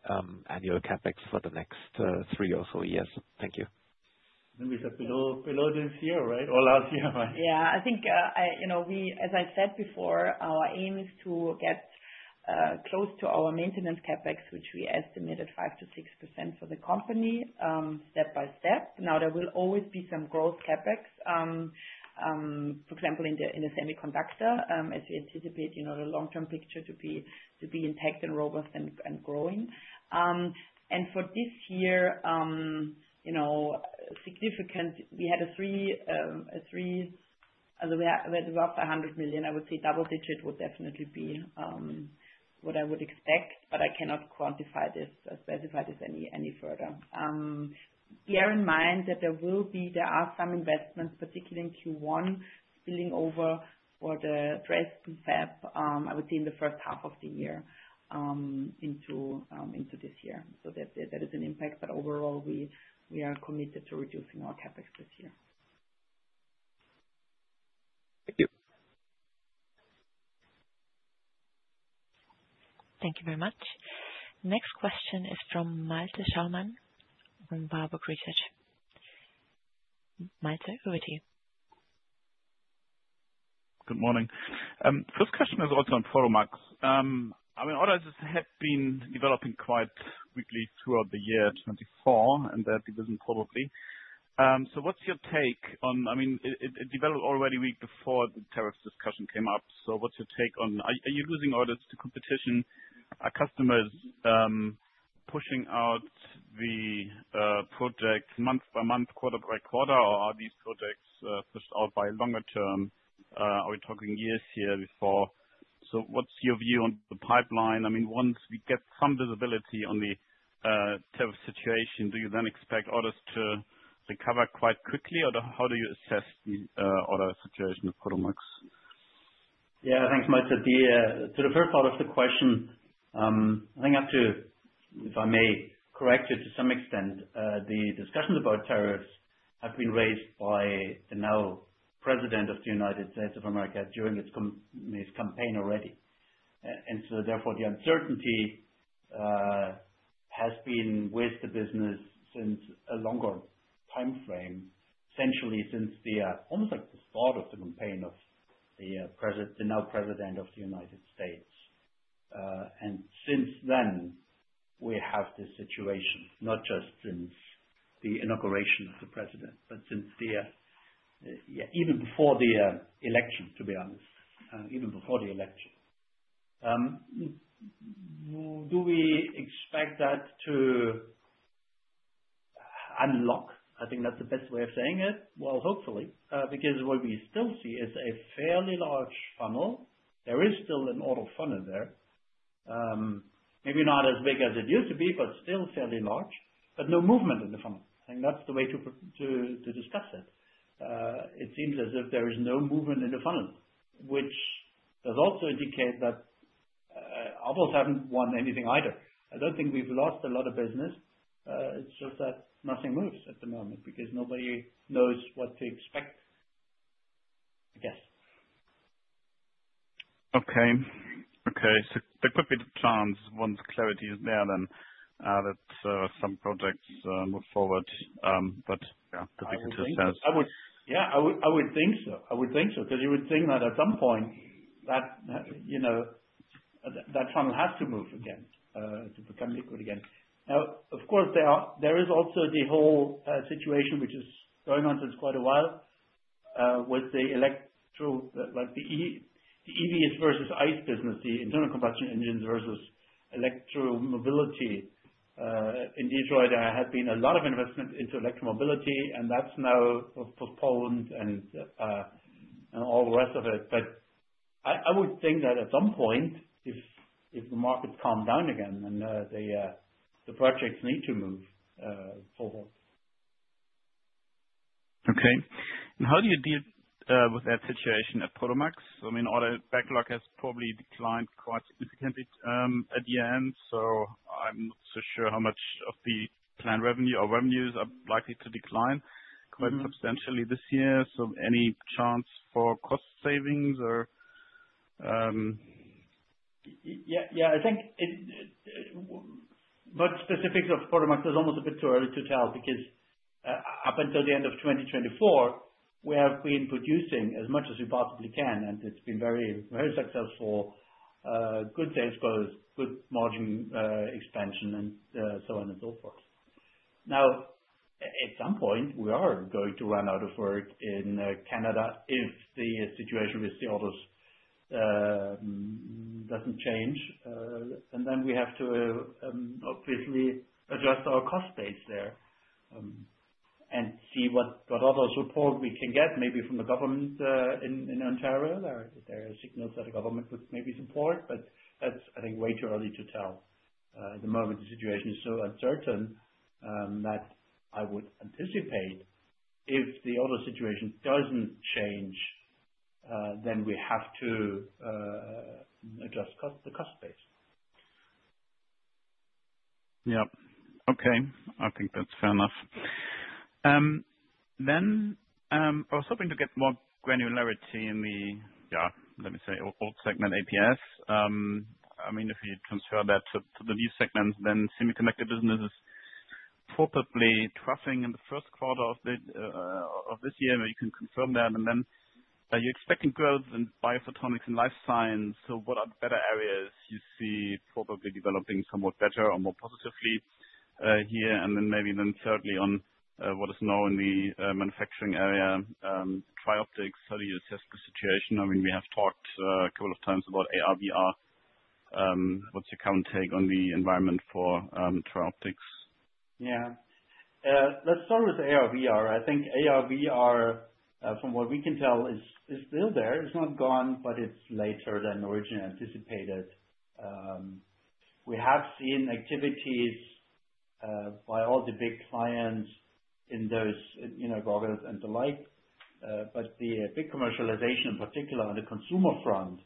annual CapEx for the next three or so years? Thank you. Maybe below this year, right? Or last year, right? Yeah. I think, as I said before, our aim is to get close to our maintenance CapEx, which we estimated 5%-6% for the company step by step. Now, there will always be some growth CapEx, for example, in the Semiconductor, as we anticipate the long-term picture to be intact and robust and growing. For this year, significant, we had a three we were above 100 million. I would say double-digit would definitely be what I would expect, but I cannot quantify this, specify this any further. Bear in mind that there will be there are some investments, particularly in Q1, spilling over for the Dresden and February, I would say, in the first half of the year into this year. That is an impact. Overall, we are committed to reducing our CapEx this year. Thank you. Thank you very much. Next question is from Malte Schaumann from Warburg Research. Malte, over to you. Good morning. First question is also on Prodomax. I mean, orders have been developing quite quickly throughout the year 2024, and that is probably. What is your take on, I mean, it developed already week before the tariff discussion came up. What is your take on, are you losing orders to competition? Are customers pushing out the project month-by-month, quarter-by-quarter, or are these projects pushed out by longer term? Are we talking years here before? What is your view on the pipeline? I mean, once we get some visibility on the tariff situation, do you then expect orders to recover quite quickly, or how do you assess the order situation of Prodomax? Yeah. Thanks, Malte. To the first part of the question, I think I have to, if I may correct you to some extent, the discussions about tariffs have been raised by the now president of the United States during his campaign already. Therefore, the uncertainty has been with the business since a longer time frame, essentially since almost like the start of the campaign of the now president of the United States. Since then, we have this situation, not just since the inauguration of the president, but since even before the election, to be honest, even before the election. Do we expect that to unlock? I think that's the best way of saying it. Hopefully, because what we still see is a fairly large funnel. There is still an auto funnel there. Maybe not as big as it used to be, but still fairly large, but no movement in the funnel. I think that's the way to discuss it. It seems as if there is no movement in the funnel, which does also indicate that others haven't won anything either. I don't think we've lost a lot of business. It's just that nothing moves at the moment because nobody knows what to expect, I guess. Okay. Okay. The quick bit of chance, once clarity is there, then that some projects move forward. Yeah, difficult to assess. Yeah. I would think so. I would think so because you would think that at some point, that funnel has to move again to become liquid again. Now, of course, there is also the whole situation, which is going on since quite a while with the electric, the EVs versus ICE business, the internal combustion engines versus electromobility. In Detroit, there has been a lot of investment into electromobility, and that is now postponed and all the rest of it. I would think that at some point, if the market calms down again, then the projects need to move forward. Okay. How do you deal with that situation at Prodomax? I mean, order backlog has probably declined quite significantly at the end. I am not so sure how much of the planned revenue or revenues are likely to decline quite substantially this year. Any chance for cost savings or? Yeah. Yeah. I think what specifics of Prodomax is almost a bit too early to tell because up until the end of 2024, we have been producing as much as we possibly can, and it's been very successful, good sales growth, good margin expansion, and so on and so forth. Now, at some point, we are going to run out of work in Canada if the situation with the orders doesn't change. We have to obviously adjust our cost base there and see what other support we can get, maybe from the government in Ontario. There are signals that the government could maybe support, but that's, I think, way too early to tell. At the moment, the situation is so uncertain that I would anticipate if the order situation doesn't change, then we have to adjust the cost base. Yeah. Okay. I think that's fair enough. I was hoping to get more granularity in the, yeah, let me say, old segment APS. I mean, if you transfer that to the new segment, then Semiconductor business is probably troughing in the first quarter of this year. You can confirm that. Are you expecting growth in Biophotonics and Life Science? What are the better areas you see probably developing somewhat better or more positively here? Maybe thirdly, on what is known in the manufacturing area, TRIOPTICS, how do you assess the situation? I mean, we have talked a couple of times about AR/VR. What's your current take on the environment for TRIOPTICS? Yeah. Let's start with AR/VR. I think AR/VR, from what we can tell, is still there. It's not gone, but it's later than originally anticipated. We have seen activities by all the big clients in those goggles and the like. The big commercialization, in particular, on the consumer front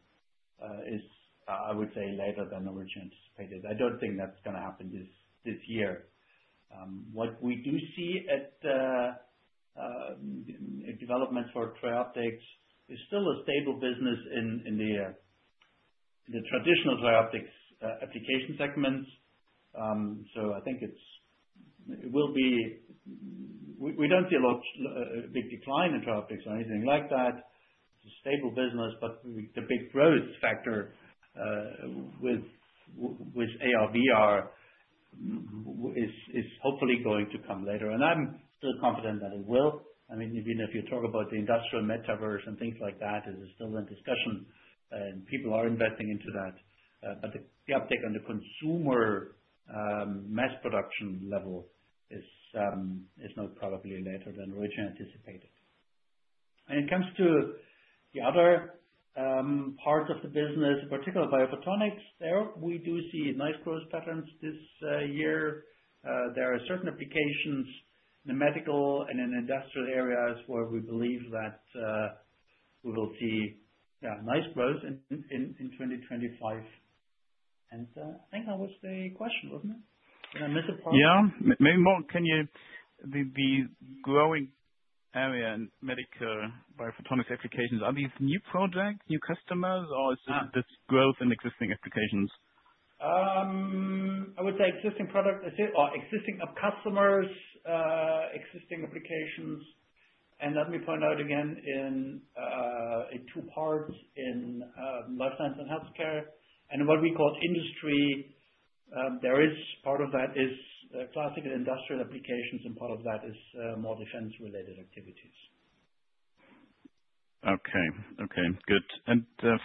is, I would say, later than originally anticipated. I don't think that's going to happen this year. What we do see at development for TRIOPTICS is still a stable business in the traditional TRIOPTICS application segments. I think it will be we don't see a big decline in TRIOPTICS or anything like that. It's a stable business, but the big growth factor with AR/VR is hopefully going to come later. I'm still confident that it will. I mean, even if you talk about the industrial metaverse and things like that, it is still in discussion, and people are investing into that. The uptake on the consumer mass production level is not probably later than originally anticipated. It comes to the other part of the business, particularly Biophotonics. There we do see nice growth patterns this year. There are certain applications in the medical and in industrial areas where we believe that we will see nice growth in 2025. I think that was the question, wasn't it? Did I miss a part? Yeah. Maybe more. Can you, the growing area in medical Biophotonics applications, are these new projects, new customers, or is this growth in existing applications? I would say existing product or existing customers, existing applications. Let me point out again in two parts in life science and healthcare and in what we call industry. There is part of that is classical industrial applications, and part of that is more defense-related activities. Okay. Okay. Good.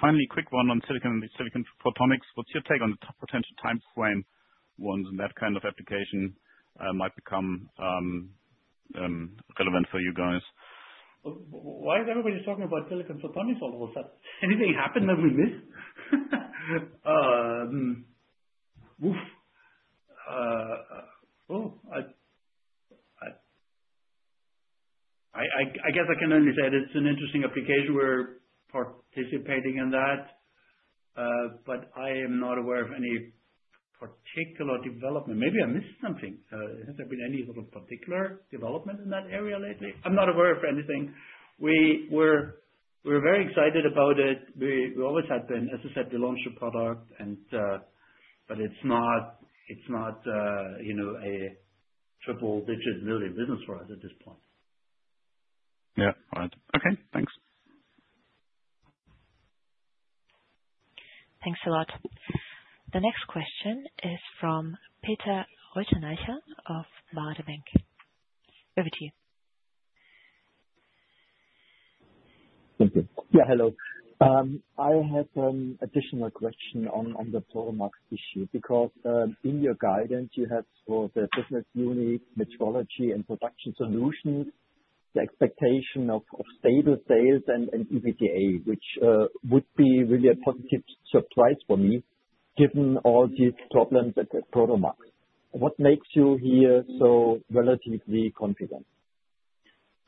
Finally, quick one on silicon and silicon photonics. What's your take on the potential time frame ones and that kind of application might become relevant for you guys? Why is everybody talking about silicon photonics all of a sudden? Anything happen that we missed? I guess I can only say that it's an interesting application we're participating in that, but I am not aware of any particular development. Maybe I missed something. Has there been any sort of particular development in that area lately? I'm not aware of anything. We're very excited about it. We always have been. As I said, we launched a product, but it's not a triple-digit million business for us at this point. Yeah. Right. Okay. Thanks. Thanks a lot. The next question is from Peter Rothenaicher of Baader Bank. Over to you. Thank you. Yeah. Hello. I have an additional question on the Prodomax issue because in your guidance, you have for the business unit Metrology & Production Solutions, the expectation of stable sales and EBITDA, which would be really a positive surprise for me given all these problems at Prodomax. What makes you here so relatively confident?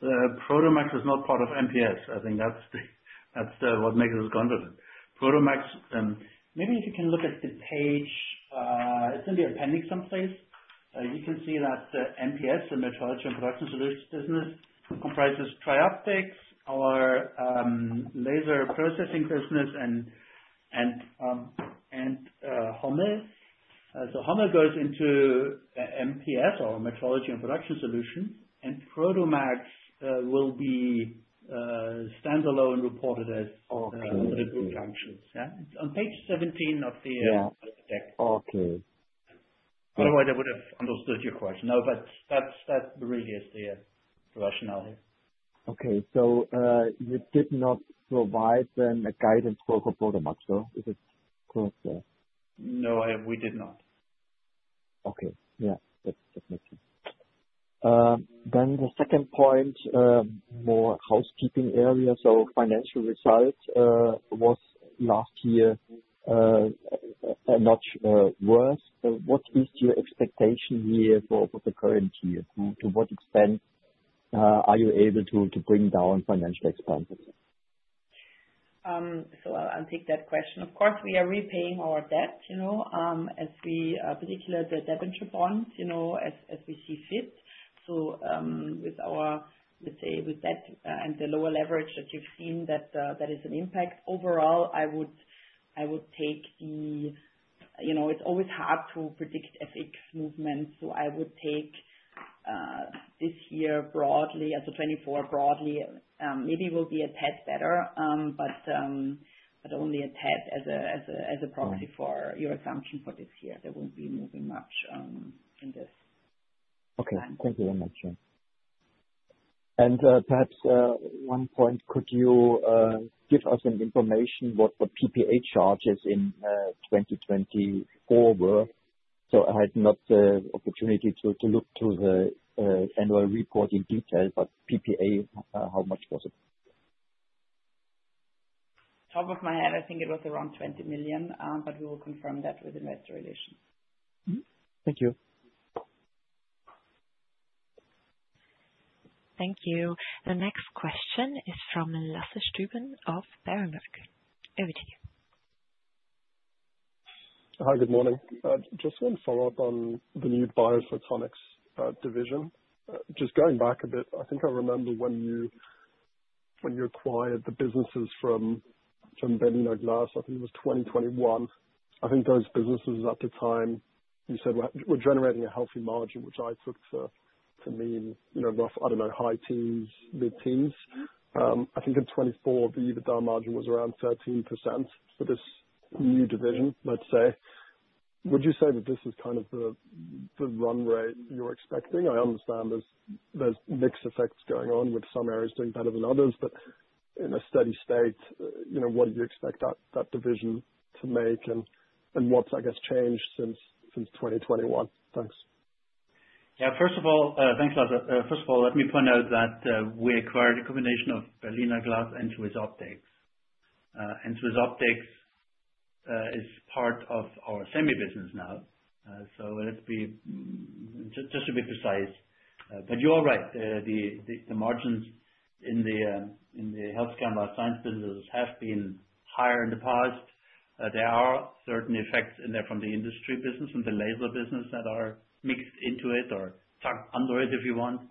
Prodomax is not part of MPS. I think that's what makes us confident. Prodomax, maybe if you can look at the page, it's in the appendix someplace. You can see that MPS, the Metrology & Production Solutions business, comprises TRIOPTICS or laser processing business and HOMMEL ETAMIC. So HOMMEL ETAMIC goes into MPS or Metrology & Production Solutions, and Prodomax will be standalone reported as the group functions. Yeah. It's on page 17 of the deck. Yeah. Okay. Otherwise, I would have understood your question. No, but that really is the rationale here. Okay. So you did not provide them a guidance book of Prodomax? Is it correct there? No, we did not. Okay. Yeah. That makes sense. The second point, more housekeeping area. Financial result was last year much worse. What is your expectation here for the current year? To what extent are you able to bring down financial expenses? I'll take that question. Of course, we are repaying our debt, particularly the debenture bond, as we see fit. With our debt and the lower leverage that you've seen, that is an impact. Overall, I would take the it's always hard to predict FX movements. I would take this year broadly, so 2024 broadly, maybe it will be a tad better, but only a tad as a proxy for your assumption for this year. There won't be moving much in this. Okay. Thank you very much. Perhaps one point, could you give us some information what the PPA charges in 2024 were? I had not the opportunity to look to the annual report in detail, but PPA, how much was it? Top of my head, I think it was around 20 million, but we will confirm that with investor relations. Thank you. Thank you. The next question is from Lasse Stueben of Berenberg. Over to you. Hi, good morning. Just want to follow up on the new Biophotonics division. Just going back a bit, I think I remember when you acquired the businesses from Berliner Glas, I think it was 2021. I think those businesses at the time, you said, were generating a healthy margin, which I took to mean, rough, I don't know, high teens, mid-teens. I think in 2024, the EBITDA margin was around 13% for this new division, let's say. Would you say that this is kind of the run rate you're expecting? I understand there's mixed effects going on with some areas doing better than others, but in a steady state, what do you expect that division to make and what's, I guess, changed since 2021? Thanks. Yeah. First of all, thanks, Lasse. First of all, let me point out that we acquired a combination of Berliner Glas and SwissOptic. And SwissOptic is part of our semi business now. So let's be just to be precise. But you're right. The margins in the Healthcare and Life Science businesses have been higher in the past. There are certain effects in there from the industry business and the laser business that are mixed into it or under it, if you want.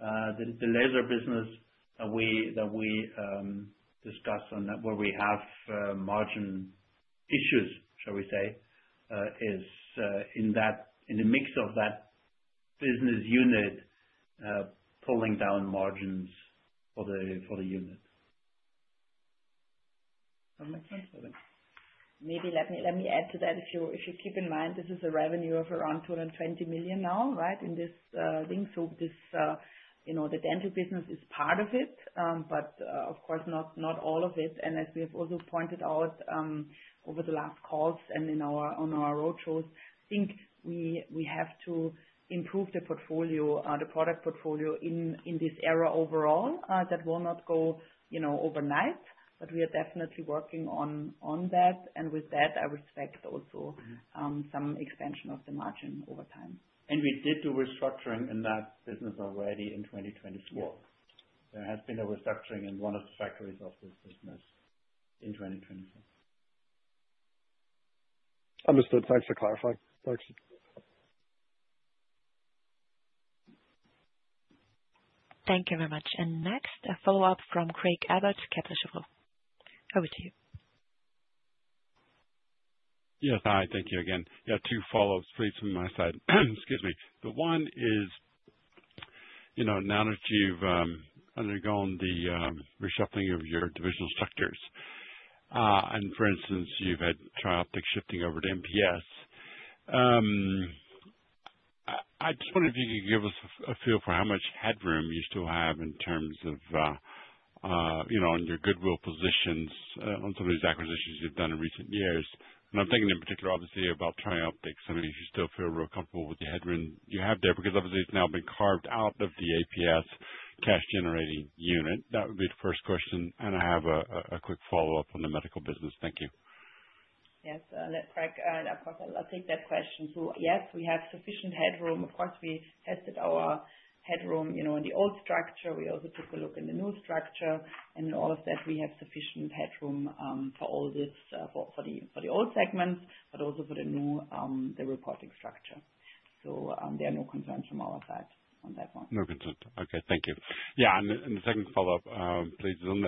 The laser business that we discussed on where we have margin issues, shall we say, is in the mix of that business unit pulling down margins for the unit. Does that make sense, I think? Maybe let me add to that. If you keep in mind, this is a revenue of around 220 million now, right, in this thing. The dental business is part of it, but of course, not all of it. As we have also pointed out over the last calls and on our roadshows, I think we have to improve the portfolio, the product portfolio in this era overall. That will not go overnight, but we are definitely working on that. With that, I respect also some expansion of the margin over time. We did do restructuring in that business already in 2024. There has been a restructuring in one of the factories of this business in 2024. Understood. Thanks for clarifying. Thanks. Thank you very much. Next, a follow-up from Craig Abbott, Kepler Cheuvreux. Over to you. Yes. Hi. Thank you again. Yeah. Two follow-ups, please, from my side. Excuse me. The one is now that you've undergone the reshuffling of your divisional structures, and for instance, you've had TRIOPTICS shifting over to MPS, I just wonder if you could give us a feel for how much headroom you still have in terms of on your goodwill positions on some of these acquisitions you've done in recent years. And I'm thinking in particular, obviously, about TRIOPTICS. I mean, if you still feel real comfortable with the headroom you have there because, obviously, it's now been carved out of the APS cash-generating unit. That would be the first question. I have a quick follow-up on the medical business. Thank you. Yes. Let's take that question. Yes, we have sufficient headroom. Of course, we tested our headroom in the old structure. We also took a look in the new structure. In all of that, we have sufficient headroom for all this for the old segments, but also for the new, the reporting structure. There are no concerns from our side on that one. No concerns. Okay. Thank you. Yeah. The second follow-up, please, on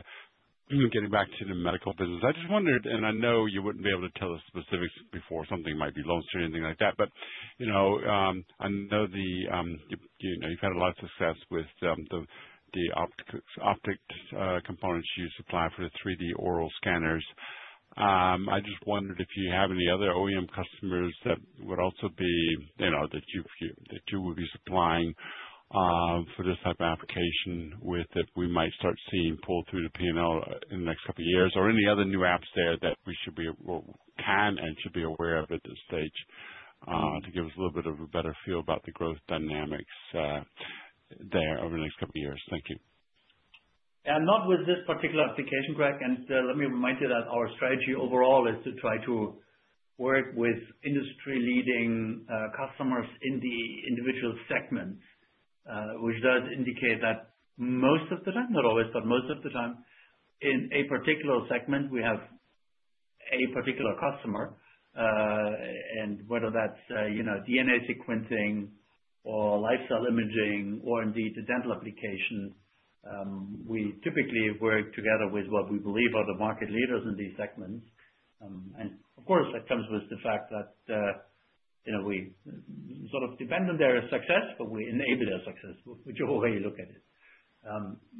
getting back to the medical business. I just wondered, and I know you wouldn't be able to tell us specifics before something might be launched or anything like that, but I know you've had a lot of success with the optical components you supply for the 3D oral scanners. I just wondered if you have any other OEM customers that would also be that you would be supplying for this type of application that we might start seeing pull through the P&L in the next couple of years or any other new apps there that we should be or can and should be aware of at this stage to give us a little bit of a better feel about the growth dynamics there over the next couple of years. Thank you. Yeah. Not with this particular application, Craig. Let me remind you that our strategy overall is to try to work with industry-leading customers in the individual segments, which does indicate that most of the time, not always, but most of the time, in a particular segment, we have a particular customer. Whether that's DNA sequencing or lifestyle imaging or indeed the dental application, we typically work together with what we believe are the market leaders in these segments. Of course, that comes with the fact that we sort of depend on their success, but we enable their success, whichever way you look at it.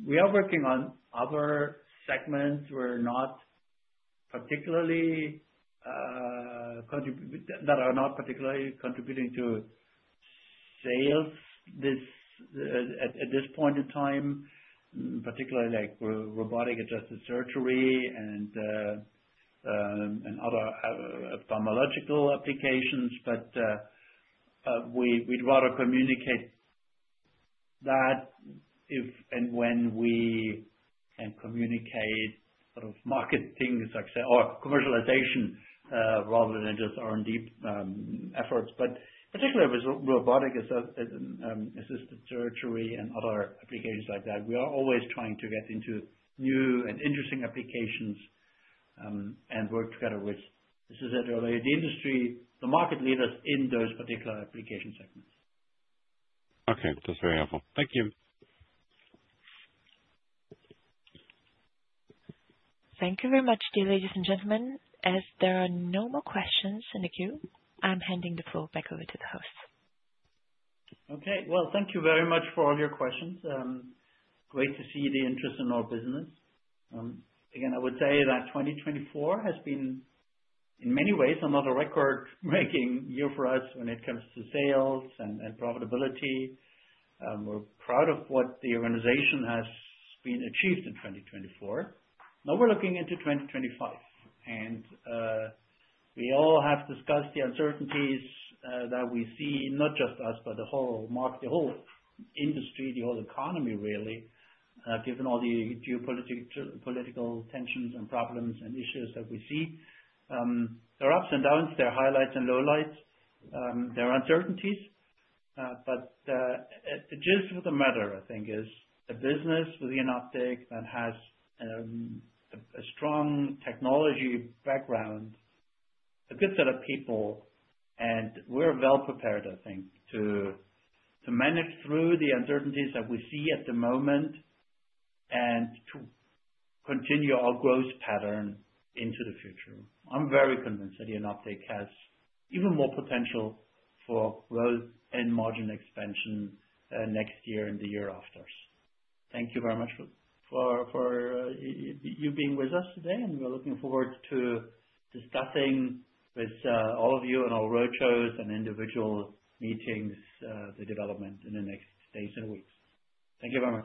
We are working on other segments that are not particularly contributing to sales at this point in time, particularly like robotic-adjusted surgery and other ophthalmological applications. We'd rather communicate that if and when we can communicate sort of market things or commercialization rather than just R&D efforts. Particularly with robotic-assisted surgery and other applications like that, we are always trying to get into new and interesting applications and work together with, as I said earlier, the industry, the market leaders in those particular application segments. Okay. That's very helpful. Thank you. Thank you very much, dear ladies and gentlemen. As there are no more questions in the queue, I'm handing the floor back over to the host. Thank you very much for all your questions. Great to see the interest in our business. Again, I would say that 2024 has been, in many ways, another record-breaking year for us when it comes to sales and profitability. We're proud of what the organization has achieved in 2024. Now we're looking into 2025. We all have discussed the uncertainties that we see, not just us, but the whole market, the whole industry, the whole economy, really, given all the geopolitical tensions and problems and issues that we see. There are ups and downs. There are highlights and lowlights. There are uncertainties. The gist of the matter, I think, is a business within Jenoptik that has a strong technology background, a good set of people, and we're well prepared, I think, to manage through the uncertainties that we see at the moment and to continue our growth pattern into the future. I'm very convinced that Jenoptik has even more potential for growth and margin expansion next year and the year after. Thank you very much for you being with us today. We're looking forward to discussing with all of you in our roadshows and individual meetings the development in the next days and weeks. Thank you very much.